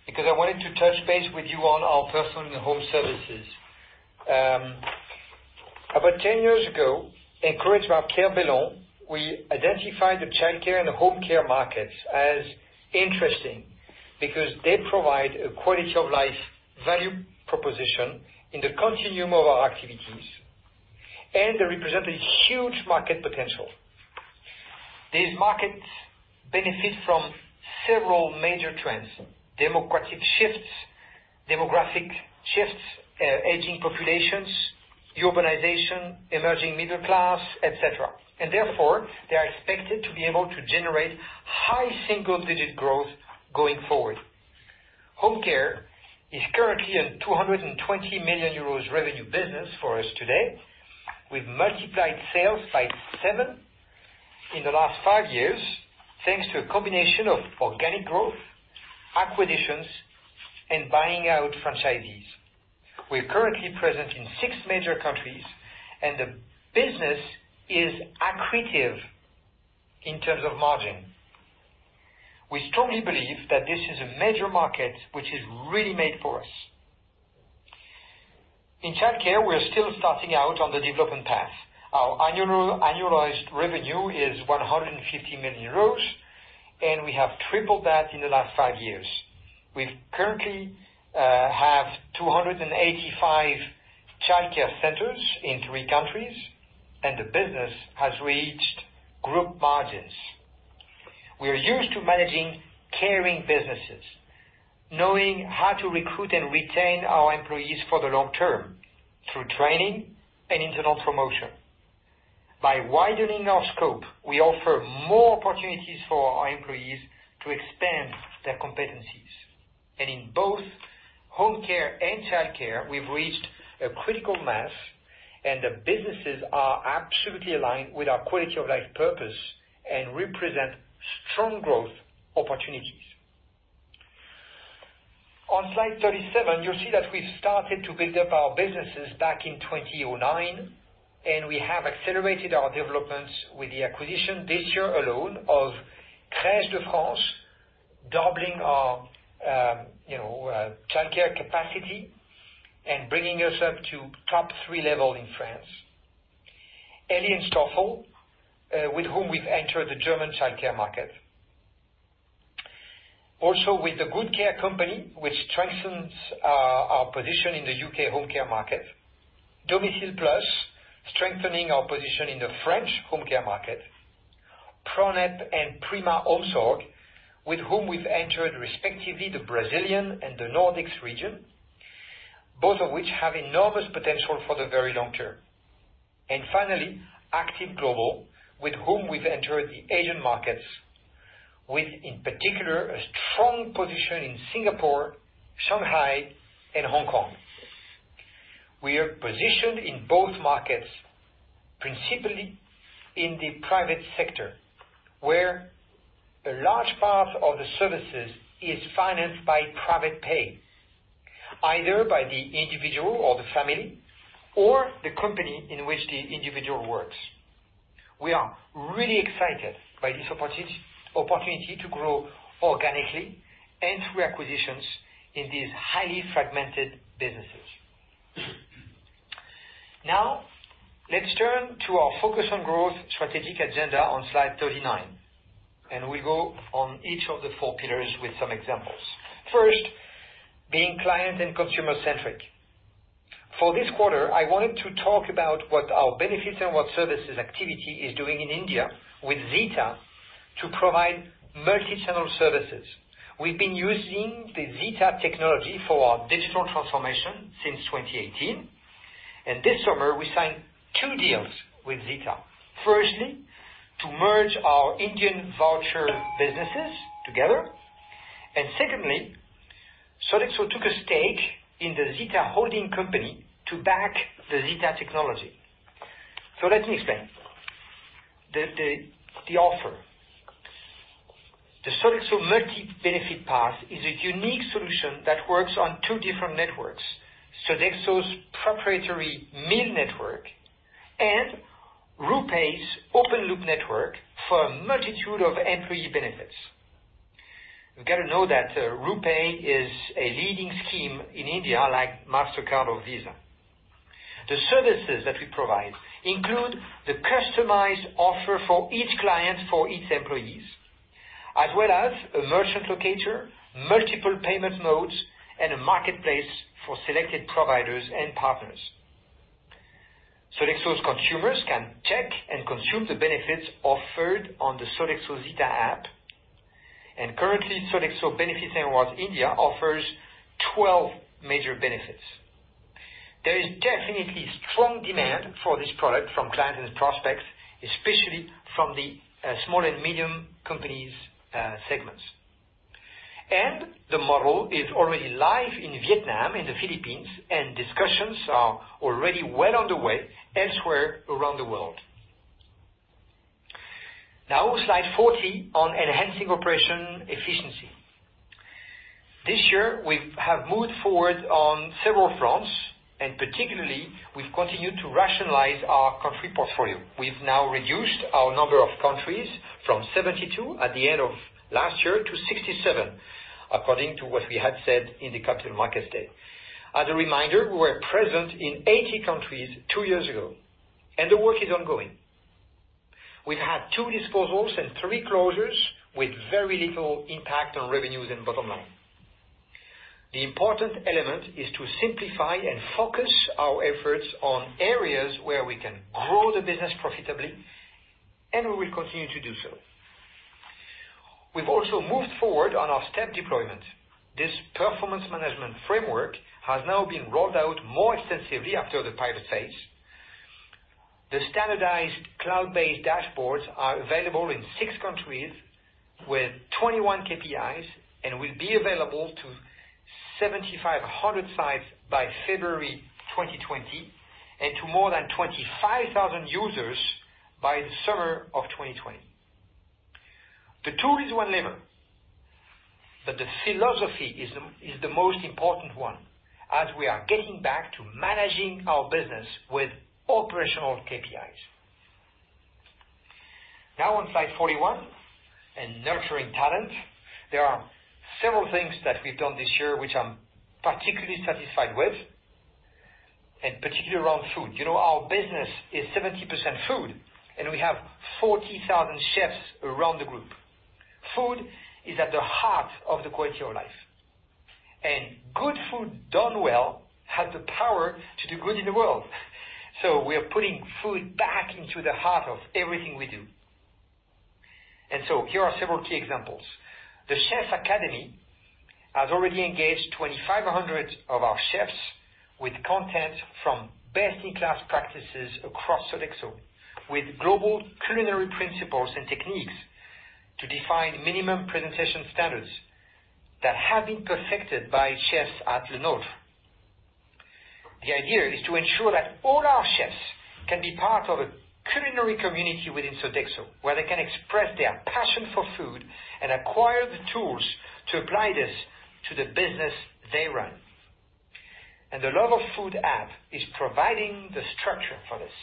because I wanted to touch base with you on our personal and home services. About 10 years ago, encouraged by Pierre Bellon, we identified the childcare and home care markets as interesting, because they provide a quality of life value proposition in the continuum of our activities and they represent a huge market potential. These markets benefit from several major trends, demographic shifts, aging populations, urbanization, emerging middle class, etc. Therefore, they are expected to be able to generate high single-digit growth going forward. Home care is currently a 220 million euros revenue business for us today. We've multiplied sales by seven in the last five years, thanks to a combination of organic growth, acquisitions, and buying out franchisees. We're currently present in six major countries, and the business is accretive in terms of margin. We strongly believe that this is a major market, which is really made for us. In childcare, we're still starting out on the development path. Our annualized revenue is 150 million euros, and we have tripled that in the last five years. We currently have 285 childcare centers in three countries, and the business has reached group margins. By widening our scope, we offer more opportunities for our employees to expand their competencies. In both home care and childcare, we've reached a critical mass, and the businesses are absolutely aligned with our quality of life purpose and represent strong growth opportunities. On slide 37, you'll see that we've started to build up our businesses back in 2009, and we have accelerated our developments with the acquisition this year alone of Crèche de France, doubling our childcare capacity and bringing us up to top thee level in France. Elly & Stoffl, with whom we've entered the German childcare market. With The Good Care Group, which strengthens our position in the U.K. home care market. Domicile Plus, strengthening our position in the French home care market. Pronep and Prima Omsorg, with whom we've entered, respectively, the Brazilian and the Nordics region, both of which have enormous potential for the very long term. Finally, Active Global, with whom we've entered the Asian markets with, in particular, a strong position in Singapore, Shanghai, and Hong Kong. We are positioned in both markets, principally in the private sector, where a large part of the services is financed by private pay, either by the individual or the family or the company in which the individual works. We are really excited by this opportunity to grow organically and through acquisitions in these highly fragmented businesses. Now, let's turn to our focus on growth strategic agenda on slide 39, and we go on each of the four pillars with some examples. First, being client and consumer-centric. For this quarter, I wanted to talk about what our benefits and what services activity is doing in India with Zeta to provide multi-channel services. We've been using the Zeta technology for our digital transformation since 2018, and this summer we signed two deals with Zeta. Firstly, to merge our Indian voucher businesses together. Secondly, Sodexo took a stake in the Zeta holding company to back the Zeta technology. Let me explain the offer. The Sodexo Multi-Benefit Pass is a unique solution that works on two different networks, Sodexo's proprietary meal network and RuPay's open loop network for a multitude of employee benefits. You've got to know that RuPay is a leading scheme in India, like Mastercard or Visa. The services that we provide include the customized offer for each client, for each employee, as well as a merchant locator, multiple payment modes, and a marketplace for selected providers and partners. Sodexo's consumers can check and consume the benefits offered on the Sodexo Zeta app. Currently, Sodexo Benefits and Rewards India offers 12 major benefits. There is definitely strong demand for this product from clients and prospects, especially from the small and medium companies segments. The model is already live in Vietnam and the Philippines, and discussions are already well underway elsewhere around the world. Now, slide 40 on enhancing operation efficiency. This year we have moved forward on several fronts, and particularly, we've continued to rationalize our country portfolio. We've now reduced our number of countries from 72 at the end of last year to 67, according to what we had said in the capital markets day. As a reminder, we were present in 80 countries two years ago, the work is ongoing. We've had two disposals and three closures with very little impact on revenues and bottom line. The important element is to simplify and focus our efforts on areas where we can grow the business profitably, and we will continue to do so. We've also moved forward on our STEP deployment. This performance management framework has now been rolled out more extensively after the private phase. The standardized cloud-based dashboards are available in six countries with 21 KPIs, and will be available to 7,500 sites by February 2020, and to more than 25,000 users by the summer of 2020. The tool is one lever, but the philosophy is the most important one, as we are getting back to managing our business with operational KPIs. Now on slide 41, in nurturing talent. There are several things that we've done this year which I'm particularly satisfied with, and particularly around food. Our business is 70% food, and we have 40,000 chefs around the group. Food is at the heart of the quality of life. Good food done well has the power to do good in the world. We are putting food back into the heart of everything we do. Here are several key examples. The Chefs Academy has already engaged 2,500 of our chefs with content from best-in-class practices across Sodexo, with global culinary principles and techniques to define minimum presentation standards that have been perfected by chefs at Lenôtre. The idea is to ensure that all our chefs can be part of a culinary community within Sodexo, where they can express their passion for food and acquire the tools to apply this to the business they run. The Love of Food app is providing the structure for this.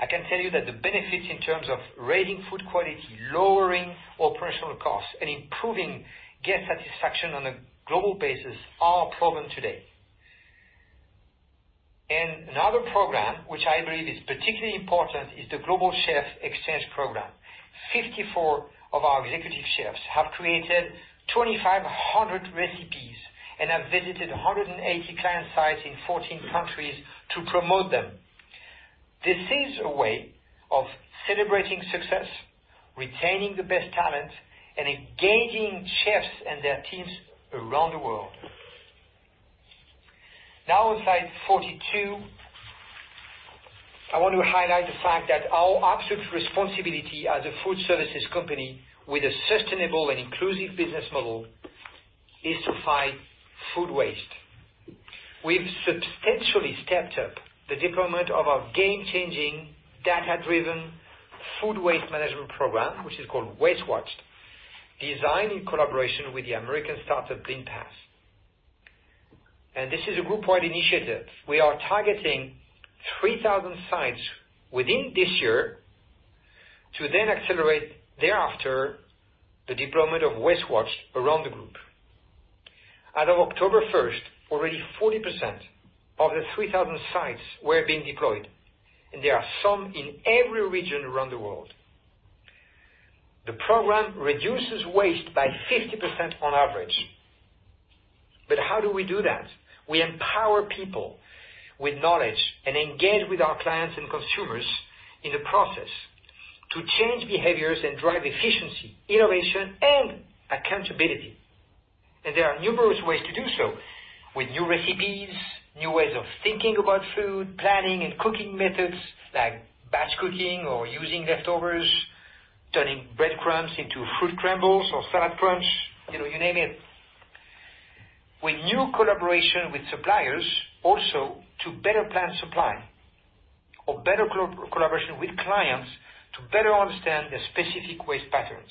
I can tell you that the benefits in terms of rating food quality, lowering operational costs, and improving guest satisfaction on a global basis are proven today. Another program, which I believe is particularly important, is the Global Chef Exchange program. 54 of our executive chefs have created 2,500 recipes and have visited 180 client sites in 14 countries to promote them. This is a way of celebrating success, retaining the best talent, and engaging chefs and their teams around the world. On slide 42. I want to highlight the fact that our absolute responsibility as a food services company with a sustainable and inclusive business model is to fight food waste. We've substantially stepped up the deployment of our game-changing, data-driven food waste management program, which is called WasteWatch, designed in collaboration with the American startup Leanpath. This is a groupwide initiative. We are targeting 3,000 sites within this year to then accelerate thereafter the deployment of WasteWatch around the group. As of October 1st, already 40% of the 3,000 sites were being deployed, and there are some in every region around the world. The program reduces waste by 50% on average. How do we do that? We empower people with knowledge and engage with our clients and consumers in the process to change behaviors and drive efficiency, innovation, and accountability. There are numerous ways to do so. With new recipes, new ways of thinking about food, planning and cooking methods like batch cooking or using leftovers, turning breadcrumbs into fruit crumbles or salad crunch, you name it. With new collaboration with suppliers also to better plan supply. Better collaboration with clients to better understand their specific waste patterns.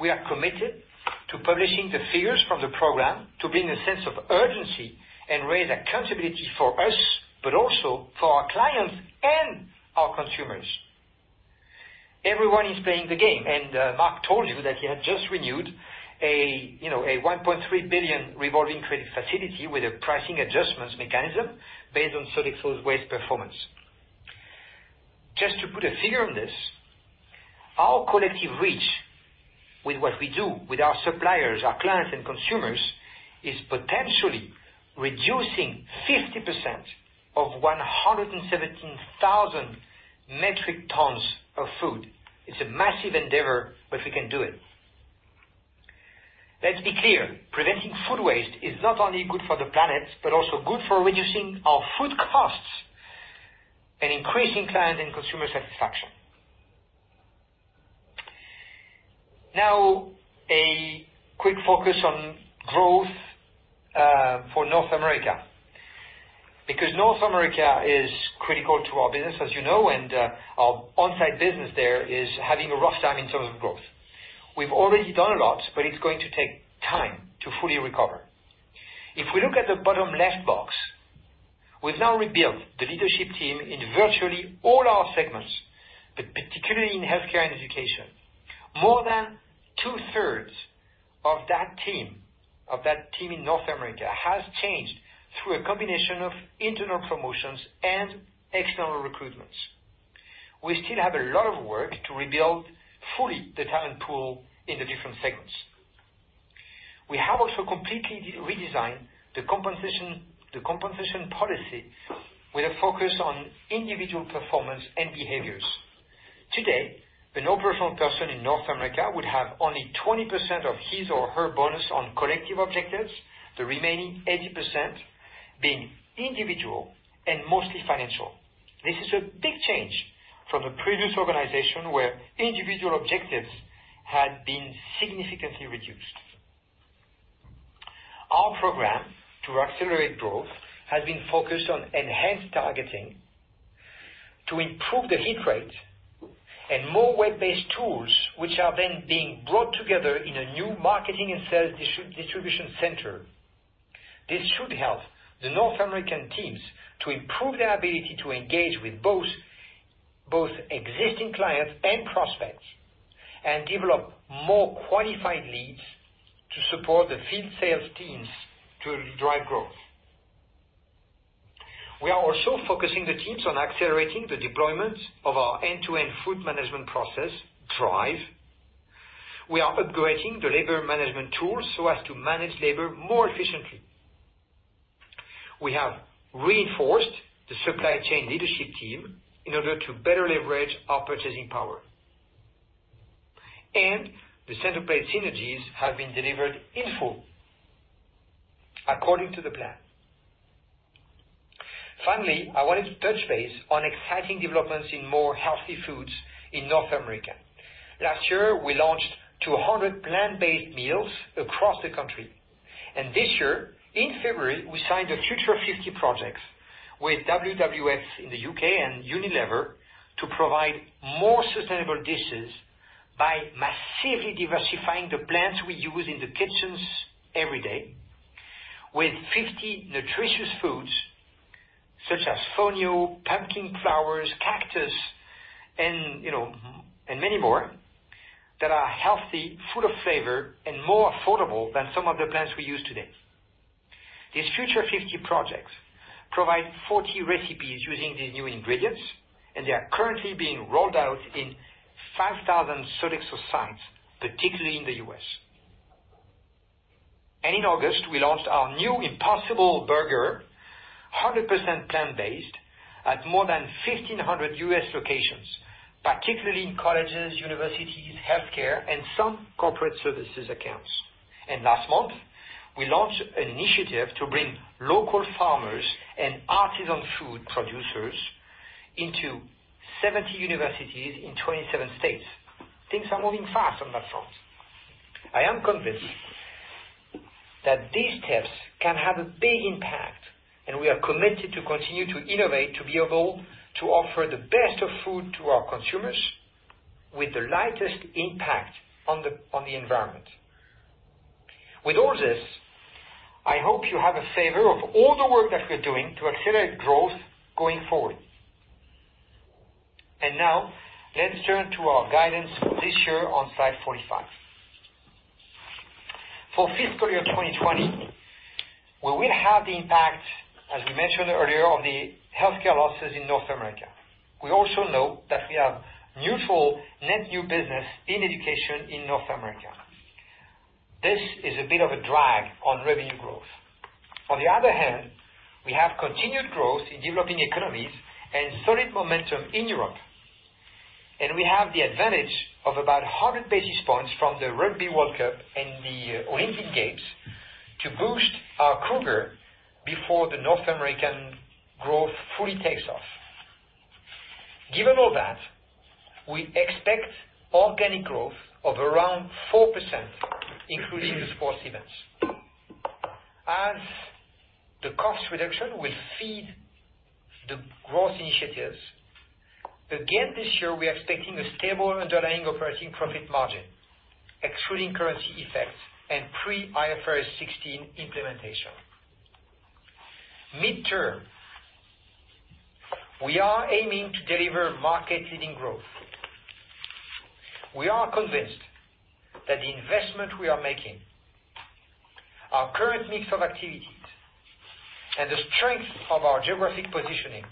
We are committed to publishing the figures from the program to bring a sense of urgency and raise accountability for us, but also for our clients and our consumers. Everyone is playing the game. Marc told you that he had just renewed a 1.3 billion revolving credit facility with a pricing adjustments mechanism based on Sodexo Waste performance. Just to put a figure on this, our collective reach with what we do with our suppliers, our clients and consumers, is potentially reducing 50% of 117,000 metric tons of food. It's a massive endeavor. We can do it. Let's be clear, preventing food waste is not only good for the planet, but also good for reducing our food costs and increasing client and consumer satisfaction. A quick focus on growth for North America, because North America is critical to our business, as you know, and our on-site business there is having a rough time in terms of growth. We've already done a lot, but it's going to take time to fully recover. If we look at the bottom left box, we've now rebuilt the leadership team in virtually all our segments, but particularly in healthcare and education. More than two-thirds of that team in North America has changed through a combination of internal promotions and external recruitments. We still have a lot of work to rebuild fully the talent pool in the different segments. We have also completely redesigned the compensation policy with a focus on individual performance and behaviors. Today, an operational person in North America would have only 20% of his or her bonus on collective objectives, the remaining 80% being individual and mostly financial. This is a big change from the previous organization where individual objectives had been significantly reduced. Our program to accelerate growth has been focused on enhanced targeting to improve the hit rate and more web-based tools, which are then being brought together in a new marketing and sales distribution center. This should help the North American teams to improve their ability to engage with both existing clients and prospects, and develop more qualified leads to support the field sales teams to drive growth. We are also focusing the teams on accelerating the deployment of our end-to-end food management process, DRIVE. We are upgrading the labor management tools so as to manage labor more efficiently. We have reinforced the supply chain leadership team in order to better leverage our purchasing power. The Centerplate synergies have been delivered in full according to the plan. Finally, I wanted to touch base on exciting developments in more healthy foods in North America. Last year, we launched 200 plant-based meals across the country. This year, in February, we signed a Future 50 Foods with WWF in the U.K. and Unilever to provide more sustainable dishes by massively diversifying the plants we use in the kitchens every day, with 50 nutritious foods such as fonio, pumpkin flowers, cactus, and many more, that are healthy, full of flavor, and more affordable than some of the plants we use today. These Future 50 Foods provide 40 recipes using these new ingredients, and they are currently being rolled out in 5,000 Sodexo sites, particularly in the U.S. In August, we launched our new Impossible Burger, 100% plant-based, at more than 1,500 U.S. locations, particularly in colleges, universities, healthcare, and some corporate services accounts. Last month, we launched an initiative to bring local farmers and artisan food producers into 70 universities in 27 states. Things are moving fast on that front. I am convinced that these steps can have a big impact, and we are committed to continue to innovate to be able to offer the best of food to our consumers with the lightest impact on the environment. With all this, I hope you have a flavor of all the work that we're doing to accelerate growth going forward. Now, let's turn to our guidance for this year on slide 45. For FY 2020, where we have the impact, as we mentioned earlier, on the healthcare losses in North America. We also know that we have neutral net new business in education in North America. This is a bit of a drag on revenue growth. We have continued growth in developing economies and solid momentum in Europe. We have the advantage of about 100 basis points from the Rugby World Cup and the Olympic Games to boost our CAGR before the North American growth fully takes off. Given all that, we expect organic growth of around 4%, including the sports events. The cost reduction will feed the growth initiatives. Again, we are expecting a stable underlying operating profit margin, excluding currency effects and pre-IFRS 16 implementation. Midterm, we are aiming to deliver market-leading growth. We are convinced that the investment we are making, our current mix of activities, and the strength of our geographic positioning,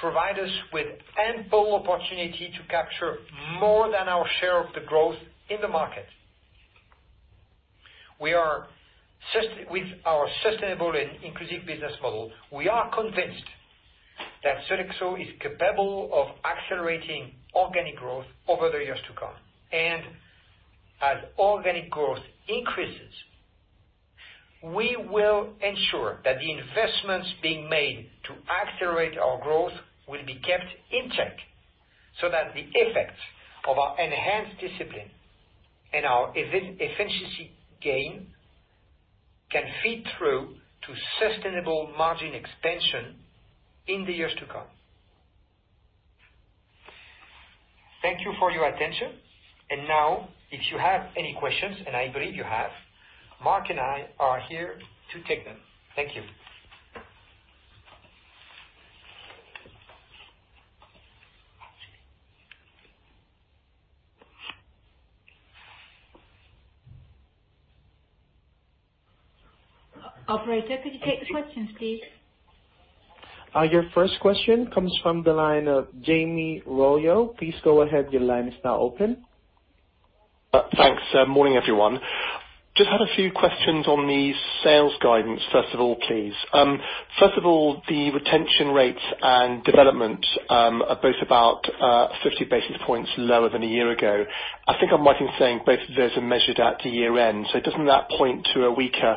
provide us with ample opportunity to capture more than our share of the growth in the market. With our sustainable and inclusive business model, we are convinced that Sodexo is capable of accelerating organic growth over the years to come. As organic growth increases, we will ensure that the investments being made to accelerate our growth will be kept in check, so that the effects of our enhanced discipline and our efficiency gain can feed through to sustainable margin expansion in the years to come. Thank you for your attention. Now, if you have any questions, and I believe you have, Marc and I are here to take them. Thank you. Operator, could you take the questions, please? Your first question comes from the line of Jamie Rollo. Please go ahead. Your line is now open. Thanks. Morning, everyone. Just had a few questions on the sales guidance, first of all, please. First of all, the retention rates and development are both about 50 basis points lower than a year ago. I think I'm right in saying both of those are measured at the year-end. Doesn't that point to a weaker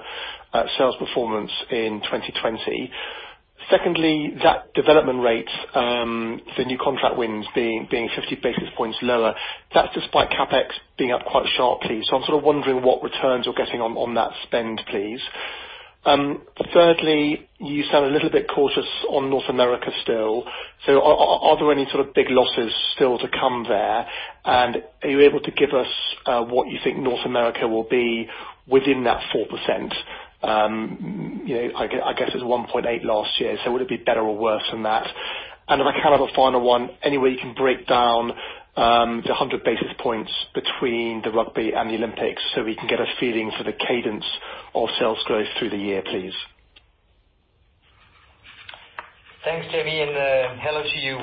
sales performance in 2020? Secondly, that development rate, the new contract wins being 50 basis points lower. That's despite CapEx being up quite sharply. I'm sort of wondering what returns you're getting on that spend, please. Thirdly, you sound a little bit cautious on North America still. Are there any sort of big losses still to come there? Are you able to give us what you think North America will be within that 4%? I guess it was 1.8% last year, so will it be better or worse than that? If I can have a final one, any way you can break down the 100 basis points between the Rugby and the Olympics so we can get a feeling for the cadence of sales growth through the year, please? Thanks, Jamie. Hello to you.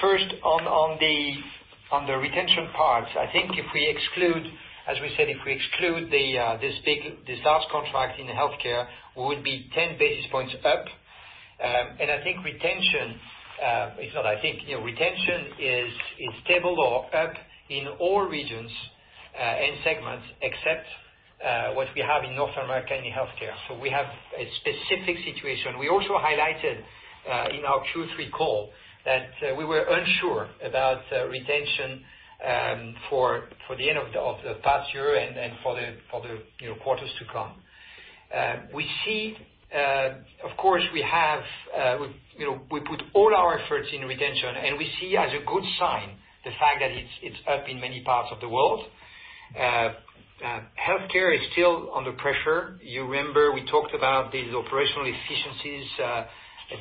First, on the retention parts, I think if we exclude, as we said, if we exclude this big, this large contract in healthcare, we would be 10 basis points up. Retention is stable or up in all regions and segments except what we have in North America in healthcare. We have a specific situation. We also highlighted in our Q3 call that we were unsure about retention for the end of the past year and for the quarters to come. Of course, we put all our efforts in retention, and we see as a good sign the fact that it's up in many parts of the world. Healthcare is still under pressure. You remember we talked about these operational efficiencies,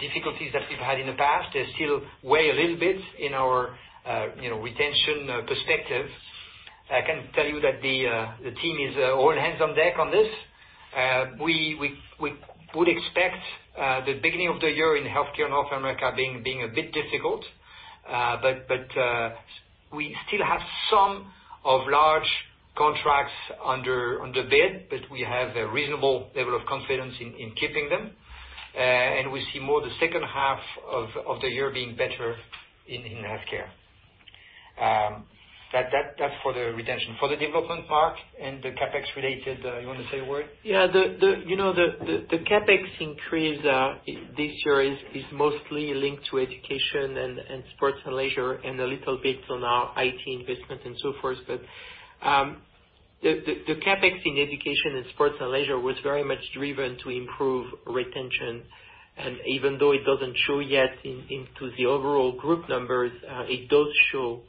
difficulties that we've had in the past. They still weigh a little bit in our retention perspective. I can tell you that the team is all hands on deck on this. We would expect the beginning of the year in healthcare in North America being a bit difficult. We still have some large contracts under bid, but we have a reasonable level of confidence in keeping them. We see more the second half of the year being better in healthcare. That's for the retention. For the development part and the CapEx related, you want to say a word? The CapEx increase this year is mostly linked to education and sports and leisure and a little bit on our IT investment and so forth. The CapEx in education and sports and leisure was very much driven to improve retention. Even though it doesn't show yet into the overall group numbers, it does show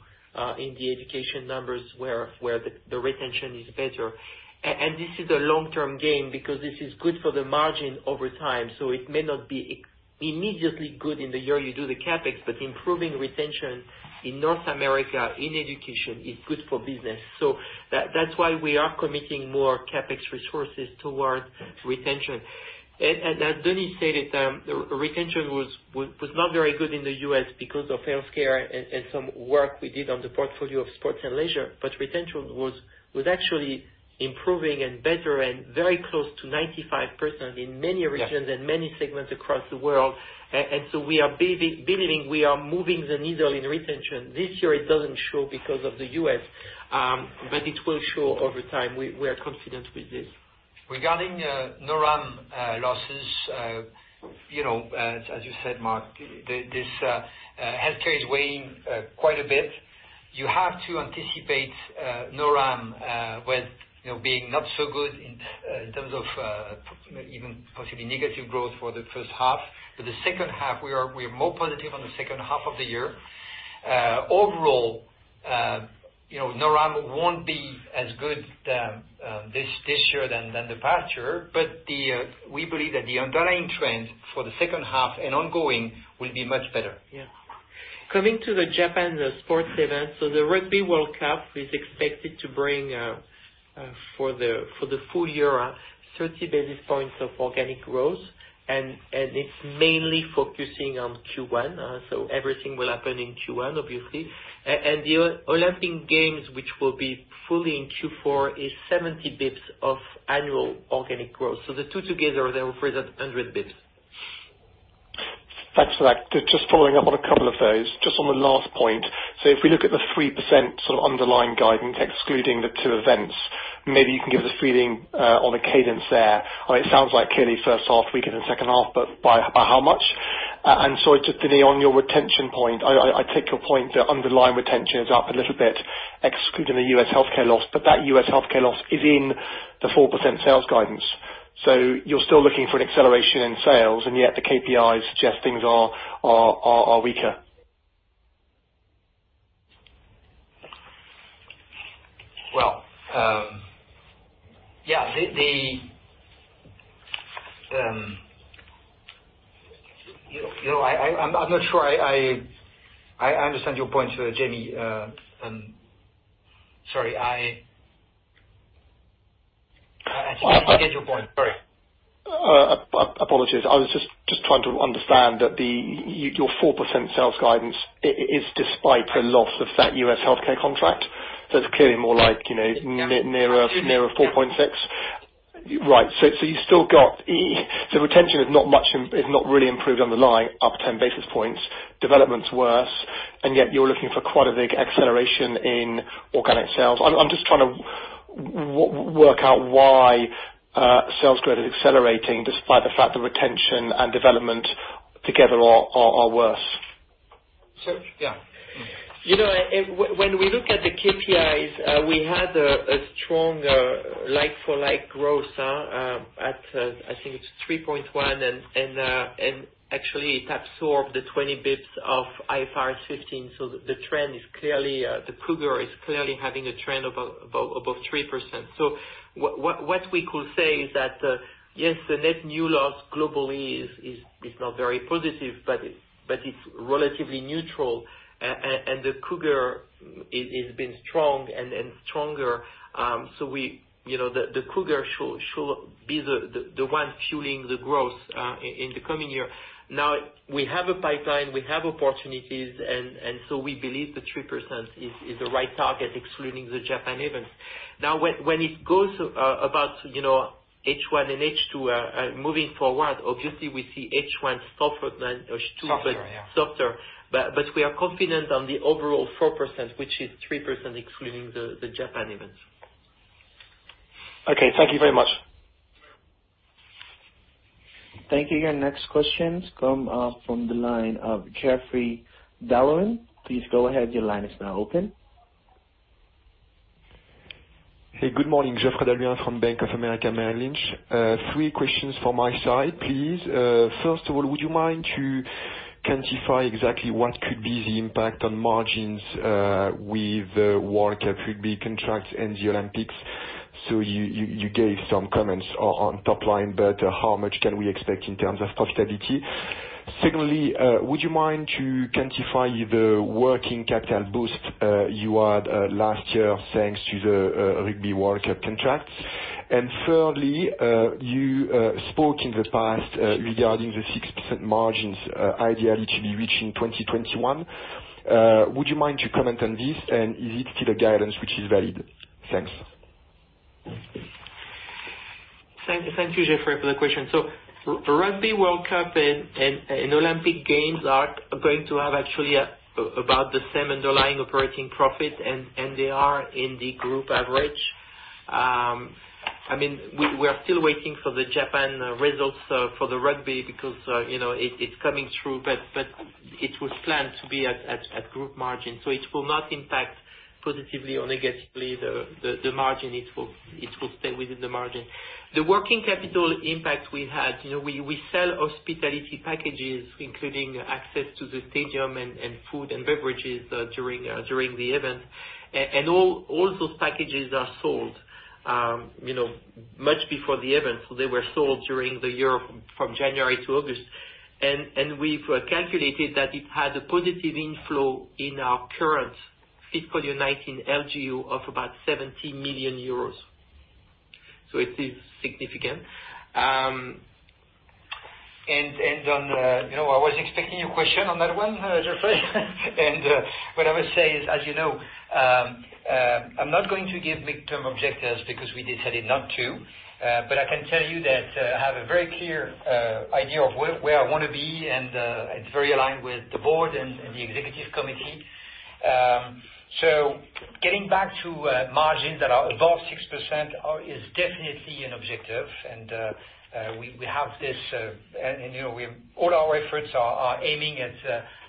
in the education numbers where the retention is better. This is a long-term gain because this is good for the margin over time. It may not be immediately good in the year you do the CapEx, but improving retention in North America in education is good for business. That's why we are committing more CapEx resources towards retention. As Denis stated, retention was not very good in the U.S. because of healthcare and some work we did on the portfolio of sports and leisure, but retention was actually improving and better and very close to 95% in many regions- Yeah and many segments across the world. We are believing we are moving the needle in retention. This year, it doesn't show because of the U.S., but it will show over time. We are confident with this. Regarding NORAM losses, as you said, Marc, healthcare is weighing quite a bit. You have to anticipate NORAM being not so good in terms of even possibly negative growth for the first half. For the second half, we are more positive on the second half of the year. Overall, NORAM won't be as good this year than the past year, but we believe that the underlying trends for the second half and ongoing will be much better. Yeah. Coming to the Japan sports event, the Rugby World Cup is expected to bring, for the full year, 30 basis points of organic growth, and it's mainly focusing on Q1. Everything will happen in Q1, obviously. The Olympic Games, which will be fully in Q4, is 70 basis points of annual organic growth. The two together, they represent 100 basis points. Thanks for that. Just following up on a couple of those. Just on the last point, if we look at the 3% sort of underlying guidance, excluding the two events, maybe you can give us a feeling on the cadence there. It sounds like clearly first half weaker than second half, but by how much? Sorry, Denis, on your retention point. I take your point that underlying retention is up a little bit, excluding the U.S. healthcare loss, but that U.S. healthcare loss is in the 4% sales guidance. You're still looking for an acceleration in sales, and yet the KPIs suggest things are weaker. Well, yeah. I'm not sure I understand your point, Jamie Rollo. Sorry, I get your point. Sorry. Apologies. I was just trying to understand that your 4% sales guidance is despite the loss of that U.S. healthcare contract. It's clearly more like nearer 4.6%. Yeah. Right. Retention is not really improved underlying, up 10 basis points. Development's worse, yet you're looking for quite a big acceleration in organic sales. I'm just trying to work out why sales growth is accelerating despite the fact that retention and development together are worse. When we look at the KPIs, we had a strong like-for-like growth at, I think it's 3.1%, and actually it absorbed the 20 basis points of IFRS 15. The cougar is clearly having a trend above 3%. What we could say is that, yes, the net new loss globally is not very positive, but it's relatively neutral, and the cougar has been strong and stronger. The cougar should be the one fueling the growth in the coming year. We have a pipeline, we have opportunities. We believe that 3% is the right target, excluding the Japan events. When it goes about H1 and H2 moving forward, obviously we see H1 softer. Softer. We are confident on the overall 4%, which is 3% excluding the Japan events. Okay. Thank you very much. Thank you. Your next questions come from the line of Geoffrey d'Halluin. Please go ahead, your line is now open. Hey, good morning. Geoffrey d'Halluin from Bank of America Merrill Lynch. three questions from my side, please. First of all, would you mind to quantify exactly what could be the impact on margins with the Rugby World Cup contract and the Olympics? You gave some comments on top line, but how much can we expect in terms of profitability? Secondly, would you mind to quantify the working capital boost you had last year, thanks to the Rugby World Cup contract? Thirdly, you spoke in the past regarding the 6% margins ideally to be reached in 2021. Would you mind to comment on this, and is it still a guidance which is valid? Thanks. Thank you, Geoffrey, for the question. Rugby World Cup and Olympic Games are going to have actually about the same underlying operating profit, and they are in the group average. We're still waiting for the Japan results for the rugby because it's coming through, but it was planned to be at group margin. It will not impact positively or negatively the margin. It will stay within the margin. The working capital impact we had, we sell hospitality packages, including access to the stadium and food and beverages during the event. All those packages are sold much before the event, so they were sold during the year from January to August. We've calculated that it had a positive inflow in our current fiscal year 2019 LGU of about 70 million euros. It is significant. I was expecting a question on that one, Geoffrey. What I would say is, as you know, I'm not going to give mid-term objectives because we decided not to. I can tell you that I have a very clear idea of where I want to be, and it's very aligned with the board and the Executive Committee. Getting back to margins that are above 6% is definitely an objective, and all our efforts are aiming at,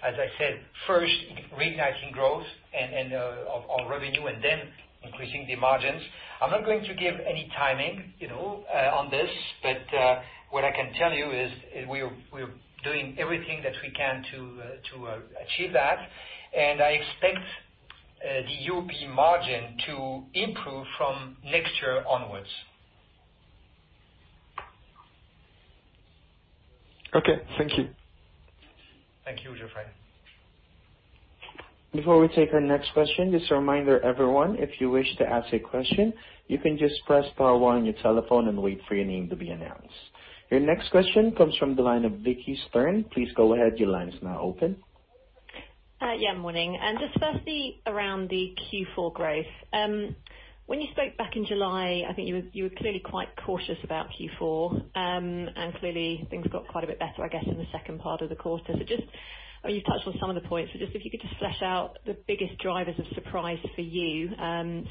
as I said, first reigniting growth on revenue and then increasing the margins. I'm not going to give any timing on this, but what I can tell you is we're doing everything that we can to achieve that. I expect the EBIT margin to improve from next year onwards. Okay. Thank you. Thank you, Geoffrey. Before we take our next question, just a reminder, everyone, if you wish to ask a question, you can just press star one on your telephone and wait for your name to be announced. Your next question comes from the line of Vicki Stern. Please go ahead. Your line is now open. Yeah, morning. Just firstly, around the Q4 growth. When you spoke back in July, I think you were clearly quite cautious about Q4, and clearly things got quite a bit better, I guess, in the second part of the quarter. You've touched on some of the points, but if you could just flesh out the biggest drivers of surprise for you,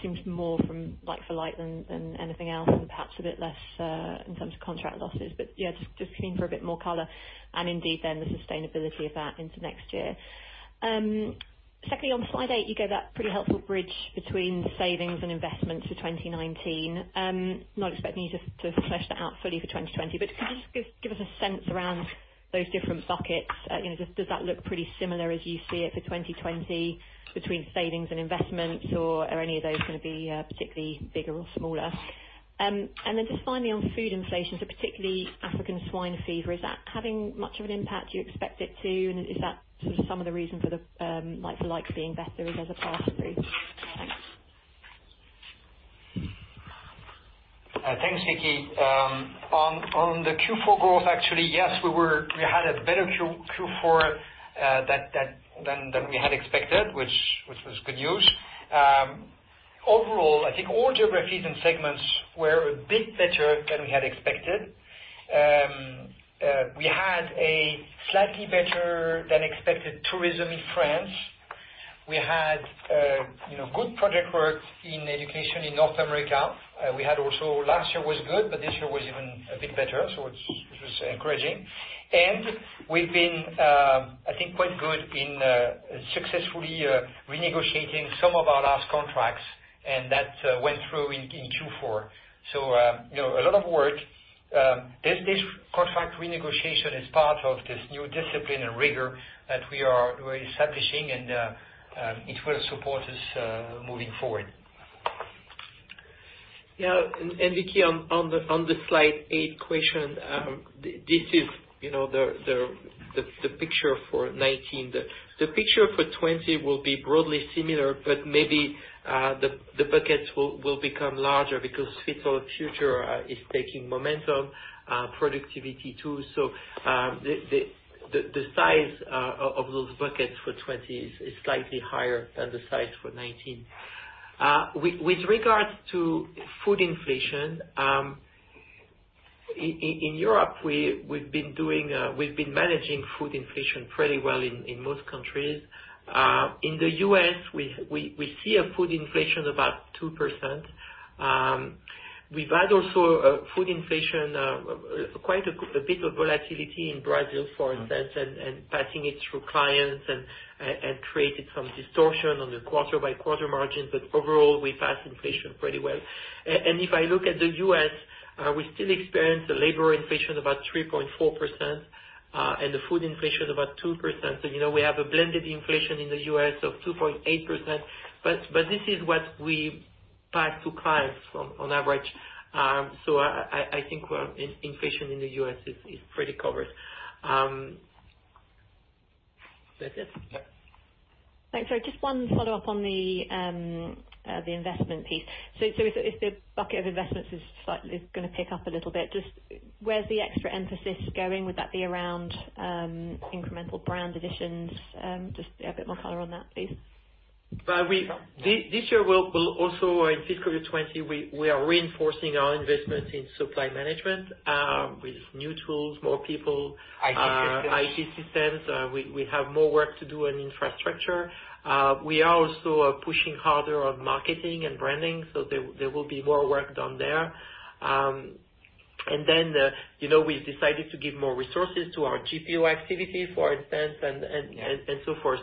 seems more from like for like than anything else, and perhaps a bit less, in terms of contract losses. Yeah, just looking for a bit more color and indeed then the sustainability of that into next year. Secondly, on slide eight, you gave that pretty helpful bridge between savings and investments for 2019. Not expecting you to flesh that out fully for 2020, but could you just give us a sense around those different buckets? Does that look pretty similar as you see it for 2020 between savings and investments, or are any of those going to be particularly bigger or smaller? Then just finally on food inflation, so particularly African swine fever, is that having much of an impact you expect it to, and is that sort of some of the reason for the like for like being better is as a pass-through? Thanks. Thanks, Vicki. On the Q4 growth, actually, yes, we had a better Q4 than we had expected, which was good news. Overall, I think all geographies and segments were a bit better than we had expected. We had a slightly better than expected tourism in France. We had good project work in education in North America. Last year was good, but this year was even a bit better, so it was encouraging. We've been, I think, quite good in successfully renegotiating some of our last contracts, and that went through in Q4. A lot of work. This contract renegotiation is part of this new discipline and rigor that we are establishing, and it will support us moving forward. Yeah. Vicki, on the slide eight question, this is the picture for 2019. The picture for 2020 will be broadly similar, but maybe the buckets will become larger because Fit for the Future is taking momentum, productivity too. The size of those buckets for 2020 is slightly higher than the size for 2019. With regards to food inflation, in Europe, we've been managing food inflation pretty well in most countries. In the U.S., we see a food inflation about 2%. We've had also food inflation, quite a bit of volatility in Brazil, for instance, and passing it through clients and created some distortion on the quarter-by-quarter margins. Overall, we passed inflation pretty well. If I look at the U.S., we still experience a labor inflation of about 3.4%, and the food inflation about 2%. We have a blended inflation in the U.S. of 2.8%, but this is what we pass to clients on average. I think inflation in the U.S. is pretty covered. That's it. Thanks. Just one follow-up on the investment piece. If the bucket of investments is going to pick up a little bit, where's the extra emphasis going? Would that be around incremental brand additions? Just a bit more color on that, please. This year, we'll also, in fiscal year 2020, we are reinforcing our investment in supply management, with new tools, more people. IT systems IT systems. We have more work to do in infrastructure. We are also pushing harder on marketing and branding. There will be more work done there. We've decided to give more resources to our GPO activity, for instance, and so forth.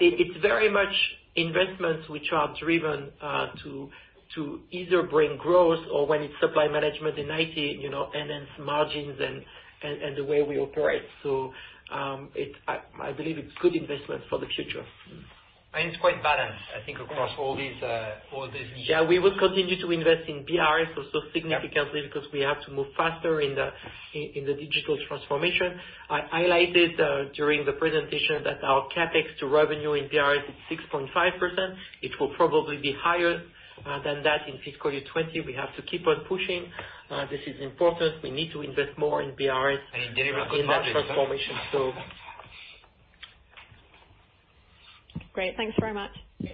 It's very much investments which are driven to either bring growth or when it's supply management in IT, enhance margins and the way we operate. I believe it's good investment for the future. It's quite balanced, I think, across all these issues. Yeah, we will continue to invest in BRS also significantly because we have to move faster in the digital transformation. I highlighted during the presentation that our CapEx to revenue in BRS is 6.5%. It will probably be higher than that in fiscal year 2020. We have to keep on pushing. This is important. We need to invest more in BRS- Deliver on cost savings. in that transformation. Great. Thanks very much. Yeah.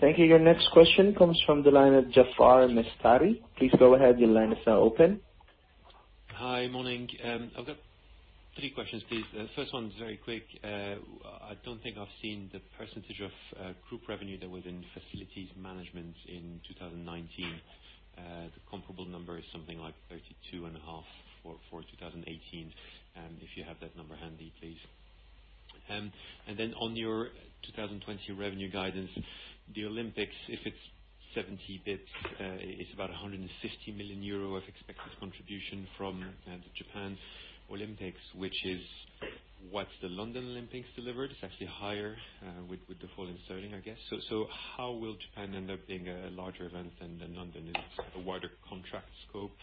Thank you. Your next question comes from the line of Jaafar Mestari. Please go ahead. Your line is now open. Hi. Morning. I've got three questions, please. The first one's very quick. I don't think I've seen the percentage of group revenue that was in facilities management in 2019. The comparable number is something like 32.5% for 2018. If you have that number handy, please. Then on your 2020 revenue guidance, the Olympics, if it's 70 basis points, it's about 150 million euro of expected contribution from the Japan Olympics, which is what the London Olympics delivered. It's actually higher, with the fall in sterling, I guess. How will Japan end up being a larger event than London? Is it a wider contract scope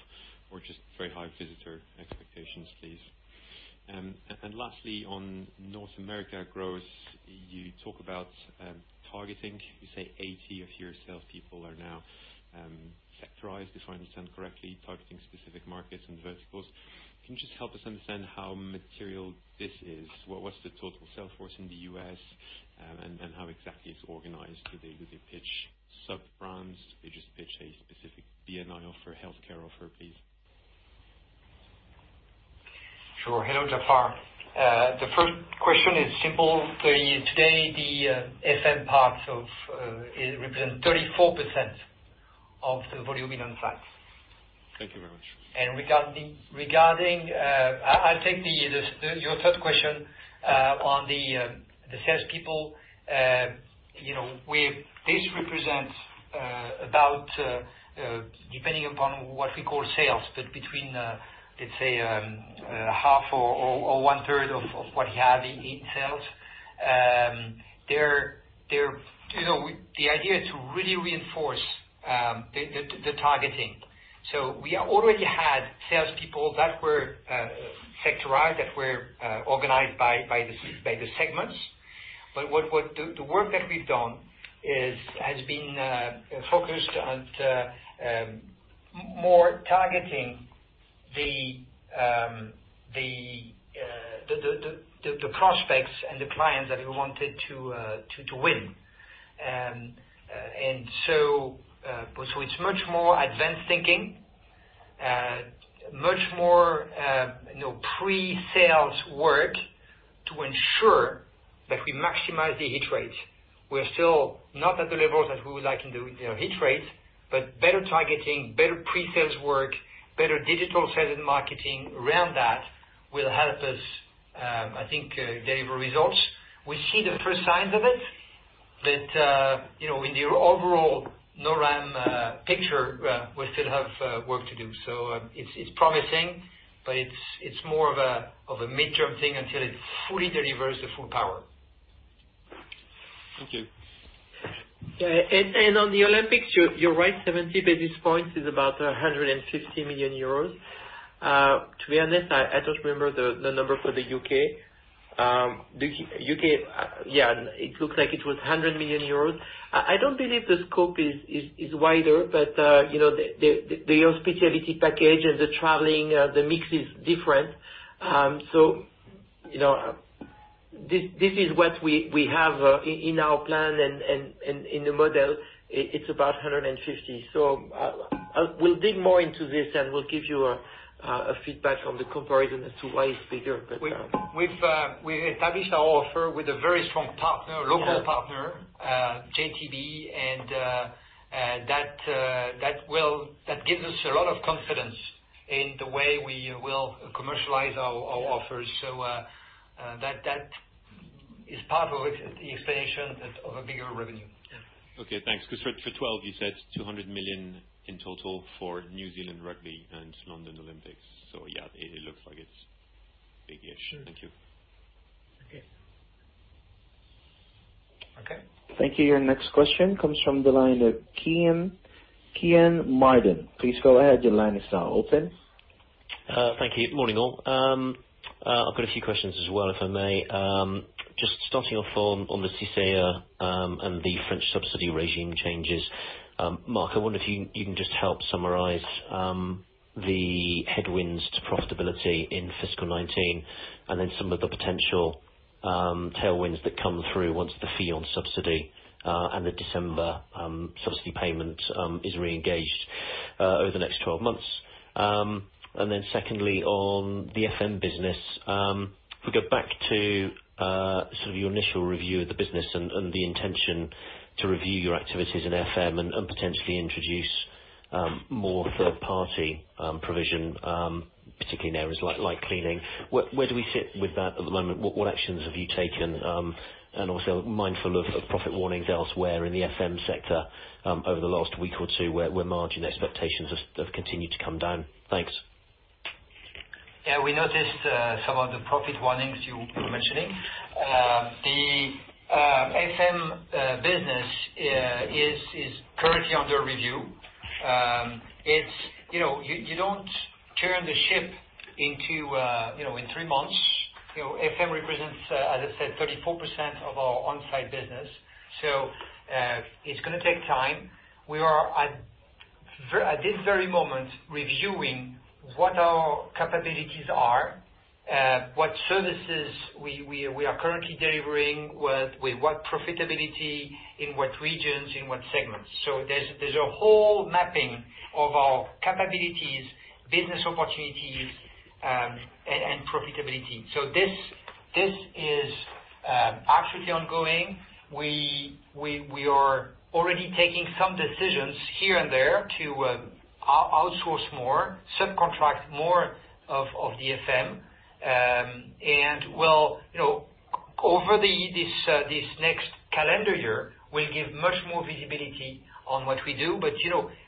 or just very high visitor expectations, please? Lastly, on North America growth, you talk about targeting. You say 80 of your salespeople are now sectorized, if I understand correctly, targeting specific markets and verticals. Can you just help us understand how material this is? What's the total sales force in the U.S. and how exactly it's organized today? Do they pitch sub-brands? Do they just pitch a specific B&I offer, healthcare offer, please? Sure. Hello, Jaafar. The first question is simple. Today, the FM parts represent 34% of the volume in on-site. Thank you very much. Regarding, I'll take your third question on the salespeople. This represents about, depending upon what we call sales, but between, let's say, half or one-third of what we have in sales. The idea to really reinforce the targeting. We already had salespeople that were sectorized, that were organized by the segments. The work that we've done has been focused on more targeting the prospects and the clients that we wanted to win. It's much more advanced thinking, much more pre-sales work to ensure that we maximize the hit rate. We're still not at the levels that we would like in the hit rate, but better targeting, better pre-sales work, better digital sales and marketing around that will help us, I think, deliver results. We see the first signs of it. In the overall NORAM picture, we still have work to do. It's promising, but it's more of a midterm thing until it fully delivers the full power. Thank you. On the Olympics, you're right, 70 basis points is about 150 million euros. To be honest, I don't remember the number for the U.K. Yeah, it looks like it was 100 million euros. I don't believe the scope is wider, but the hospitality package and the traveling, the mix is different. This is what we have in our plan and in the model. It's about 150 million. We'll dig more into this, and we'll give you a feedback on the comparison as to why it's bigger. We established our offer with a very strong partner. Yeah local partner, JTB, and that gives us a lot of confidence in the way we will commercialize our offers. That is part of the explanation of a bigger revenue. Yeah. Okay, thanks. Because for 2012, you said 200 million in total for New Zealand Rugby and London Olympics. Yeah, it looks like it's big-ish. Thank you. Okay. Okay. Thank you. Your next question comes from the line of Kean Marden. Please go ahead. Your line is now open. Thank you. Morning, all. I've got a few questions as well, if I may. Starting off on the CICE, the French subsidy regime changes. Marc, I wonder if you can just help summarize the headwinds to profitability in fiscal 2019, then some of the potential tailwinds that come through once the FEON subsidy and the December subsidy payment is reengaged over the next 12 months. Secondly, on the FM business, if we go back to sort of your initial review of the business and the intention to review your activities in FM and potentially introduce more third-party provision, particularly in areas like cleaning. Where do we sit with that at the moment? What actions have you taken? Also mindful of profit warnings elsewhere in the FM sector, over the last week or two, where margin expectations have continued to come down. Thanks. Yeah, we noticed some of the profit warnings you were mentioning. The FM business is currently under review. You don't turn the ship in three months. FM represents, as I said, 34% of our on-site business. It's going to take time. We are at this very moment, reviewing what our capabilities are, what services we are currently delivering, with what profitability, in what regions, in what segments. There's a whole mapping of our capabilities, business opportunities, and profitability. This is actually ongoing. We are already taking some decisions here and there to outsource more, subcontract more of the FM. Over this next calendar year, we'll give much more visibility on what we do.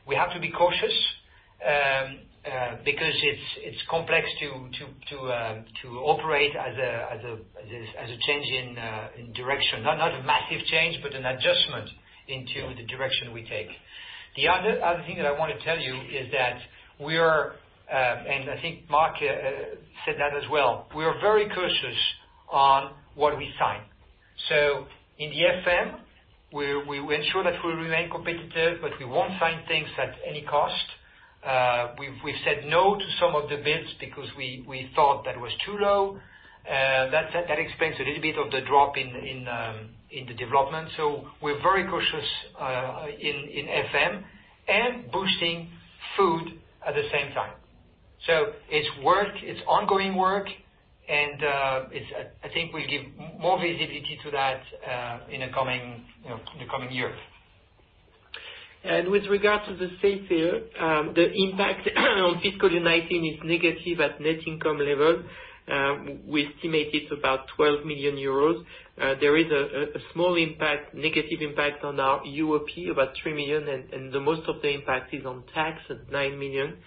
We have to be cautious because it's complex to operate as a change in direction. Not a massive change, but an adjustment into the direction we take. The other thing that I want to tell you is that we are, and I think Marc said that as well, we are very cautious on what we sign. In the FM, we ensure that we remain competitive, but we won't sign things at any cost. We've said no to some of the bids because we thought that it was too low. That explains a little bit of the drop in the development. We're very cautious in FM and boosting food at the same time. It's work, it's ongoing work, and I think we'll give more visibility to that in the coming year. With regard to the CICE, the impact on fiscal year 2019 is negative at net income level. We estimate it's about 12 million euros. There is a small impact, negative impact on our UOP, about 3 million, and the most of the impact is on tax at 9 million.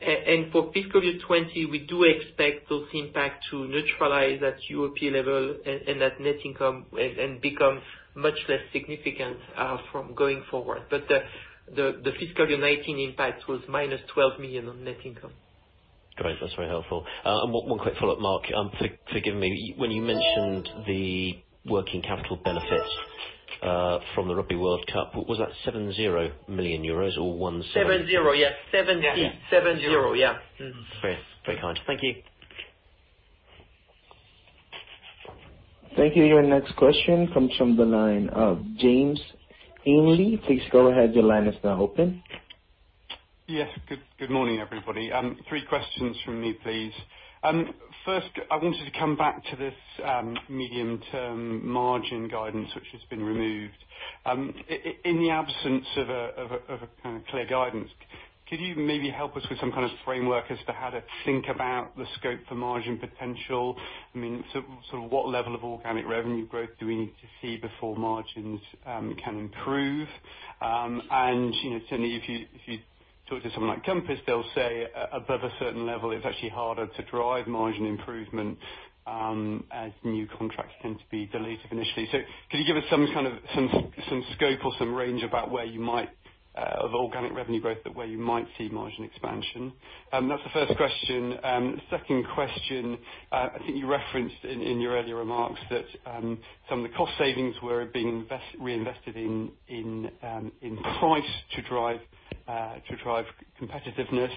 For fiscal year 2020, we do expect those impact to neutralize at UOP level and at net income, and become much less significant from going forward. The fiscal year 2019 impact was minus 12 million on net income. Great. That's very helpful. One quick follow-up, Marc. Forgive me. When you mentioned the working capital benefit from the Rugby World Cup, was that 70 million euros or 17? Seven zero, yes. Seven zero. Great. Very kind. Thank you. Thank you. Your next question comes from the line of James Ainley. Please go ahead. Your line is now open. Good morning, everybody. Three questions from me, please. I wanted to come back to this medium-term margin guidance, which has been removed. In the absence of a kind of clear guidance, could you maybe help us with some kind of framework as to how to think about the scope for margin potential? What level of organic revenue growth do we need to see before margins can improve? Certainly, if you talk to someone like Compass, they'll say above a certain level, it's actually harder to drive margin improvement, as new contracts tend to be dilutive initially. Can you give us some scope or some range about where you might, of organic revenue growth, where you might see margin expansion? That's the first question. Second question. I think you referenced in your earlier remarks that some of the cost savings were being reinvested in price to drive competitiveness.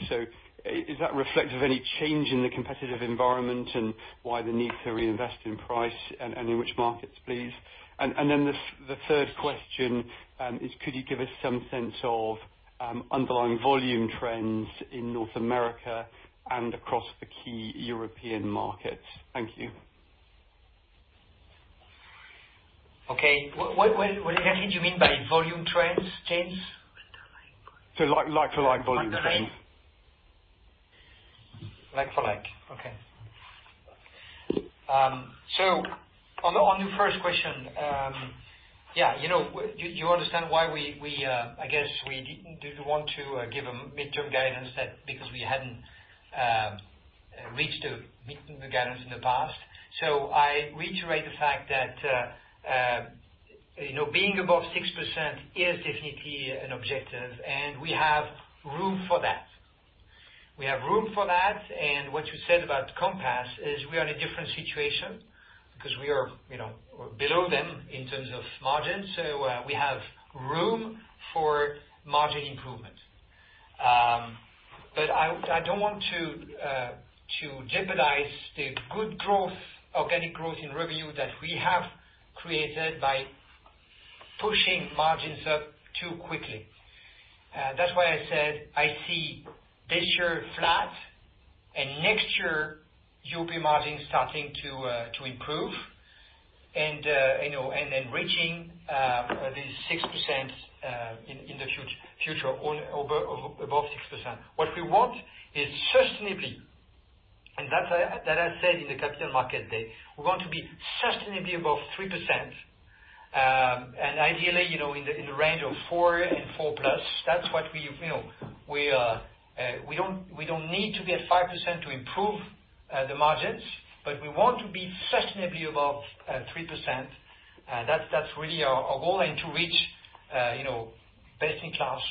Is that reflective of any change in the competitive environment and why the need to reinvest in price, and in which markets, please? The third question is could you give us some sense of underlying volume trends in North America and across the key European markets? Thank you. Okay. What exactly do you mean by volume trends, James? Like-for-like volume trends. Like for like. Okay. On the first question, you understand why I guess we didn't want to give a mid-term guidance because we hadn't reached the guidance in the past. I reiterate the fact that being above 6% is definitely an objective, and we have room for that. We have room for that, and what you said about Compass is we are in a different situation because we are below them in terms of margins. We have room for margin improvement. I don't want to jeopardize the good growth, organic growth in revenue that we have created by pushing margins up too quickly. That's why I said I see this year flat and next year, you'll be margin starting to improve and then reaching these 6% in the future or above 6%. What we want is sustainably. That I said in the capital market day, we want to be sustainably above 3%, and ideally in the range of 4% and 4% plus. We don't need to be at 5% to improve the margins, but we want to be sustainably above 3%. That's really our goal and to reach best in class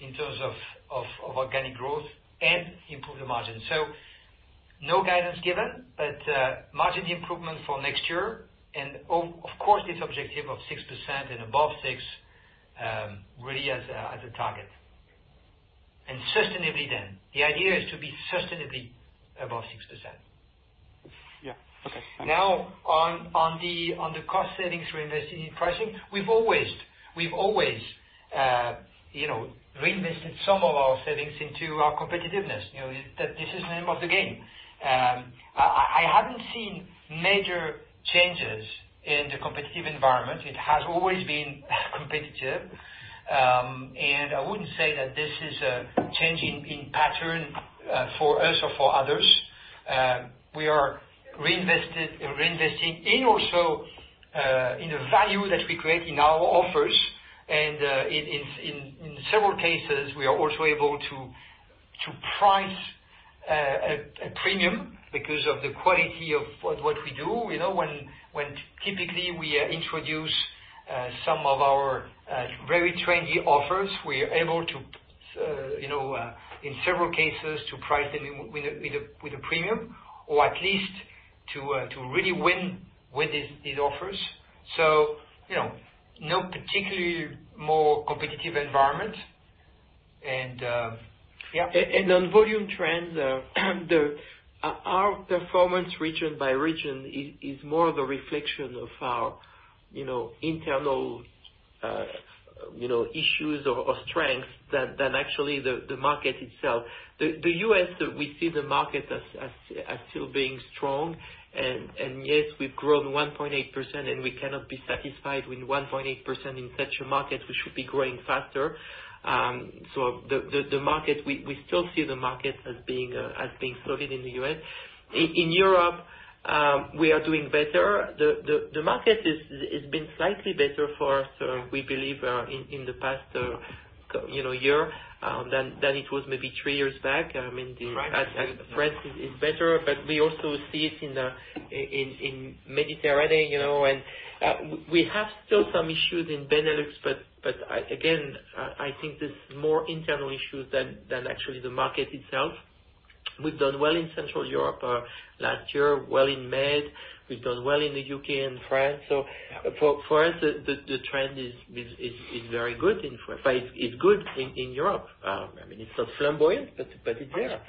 in terms of organic growth and improve the margin. No guidance given, but margin improvement for next year. Of course, this objective of 6% and above 6%, really as a target. Sustainably then. The idea is to be sustainably above 6%. Yeah. Okay. Now, on the cost savings reinvested in pricing, we've always reinvested some of our savings into our competitiveness. This is the name of the game. I haven't seen major changes in the competitive environment. It has always been competitive. I wouldn't say that this is a change in pattern for us or for others. We are reinvesting in also, in the value that we create in our offers. In several cases, we are also able to price a premium because of the quality of what we do. When typically we introduce some of our very trendy offers, we are able to, in several cases, to price them with a premium or at least to really win with these offers. No particularly more competitive environment. On volume trends, our performance region by region is more the reflection of our internal issues or strengths than actually the market itself. The U.S., we see the market as still being strong. Yes, we've grown 1.8%, and we cannot be satisfied with 1.8% in such a market. We should be growing faster. We still see the market as being solid in the U.S. In Europe, we are doing better. The market has been slightly better for us, we believe, in the past year, than it was maybe three years back. Right. France is better. We also see it in Mediterranean. We have still some issues in Benelux. Again, I think it's more internal issues than actually the market itself. We've done well in Central Europe last year, well in Med. We've done well in the U.K. and France. For us, the trend is very good in France. It's good in Europe. It's not flamboyant. It's there.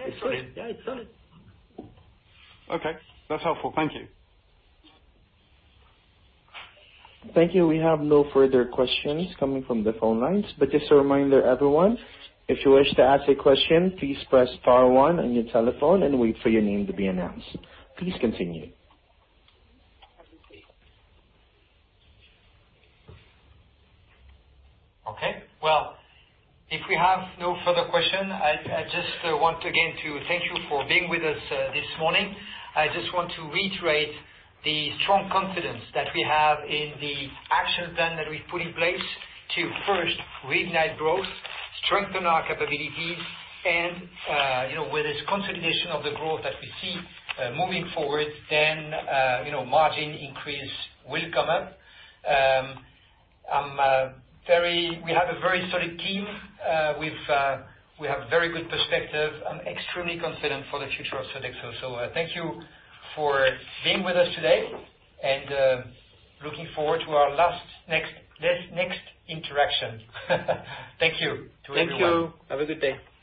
Okay. That's helpful. Thank you. Thank you. We have no further questions coming from the phone lines. Just a reminder, everyone, if you wish to ask a question, please press star one on your telephone and wait for your name to be announced. Please continue. Okay. Well, if we have no further question, I just want again to thank you for being with us this morning. I just want to reiterate the strong confidence that we have in the action plan that we've put in place to first reignite growth, strengthen our capabilities, and, with this consolidation of the growth that we see moving forward, then margin increase will come up. We have a very solid team. We have very good perspective. I'm extremely confident for the future of Sodexo. Thank you for being with us today, and looking forward to our next interaction. Thank you to everyone. Thank you. Have a good day.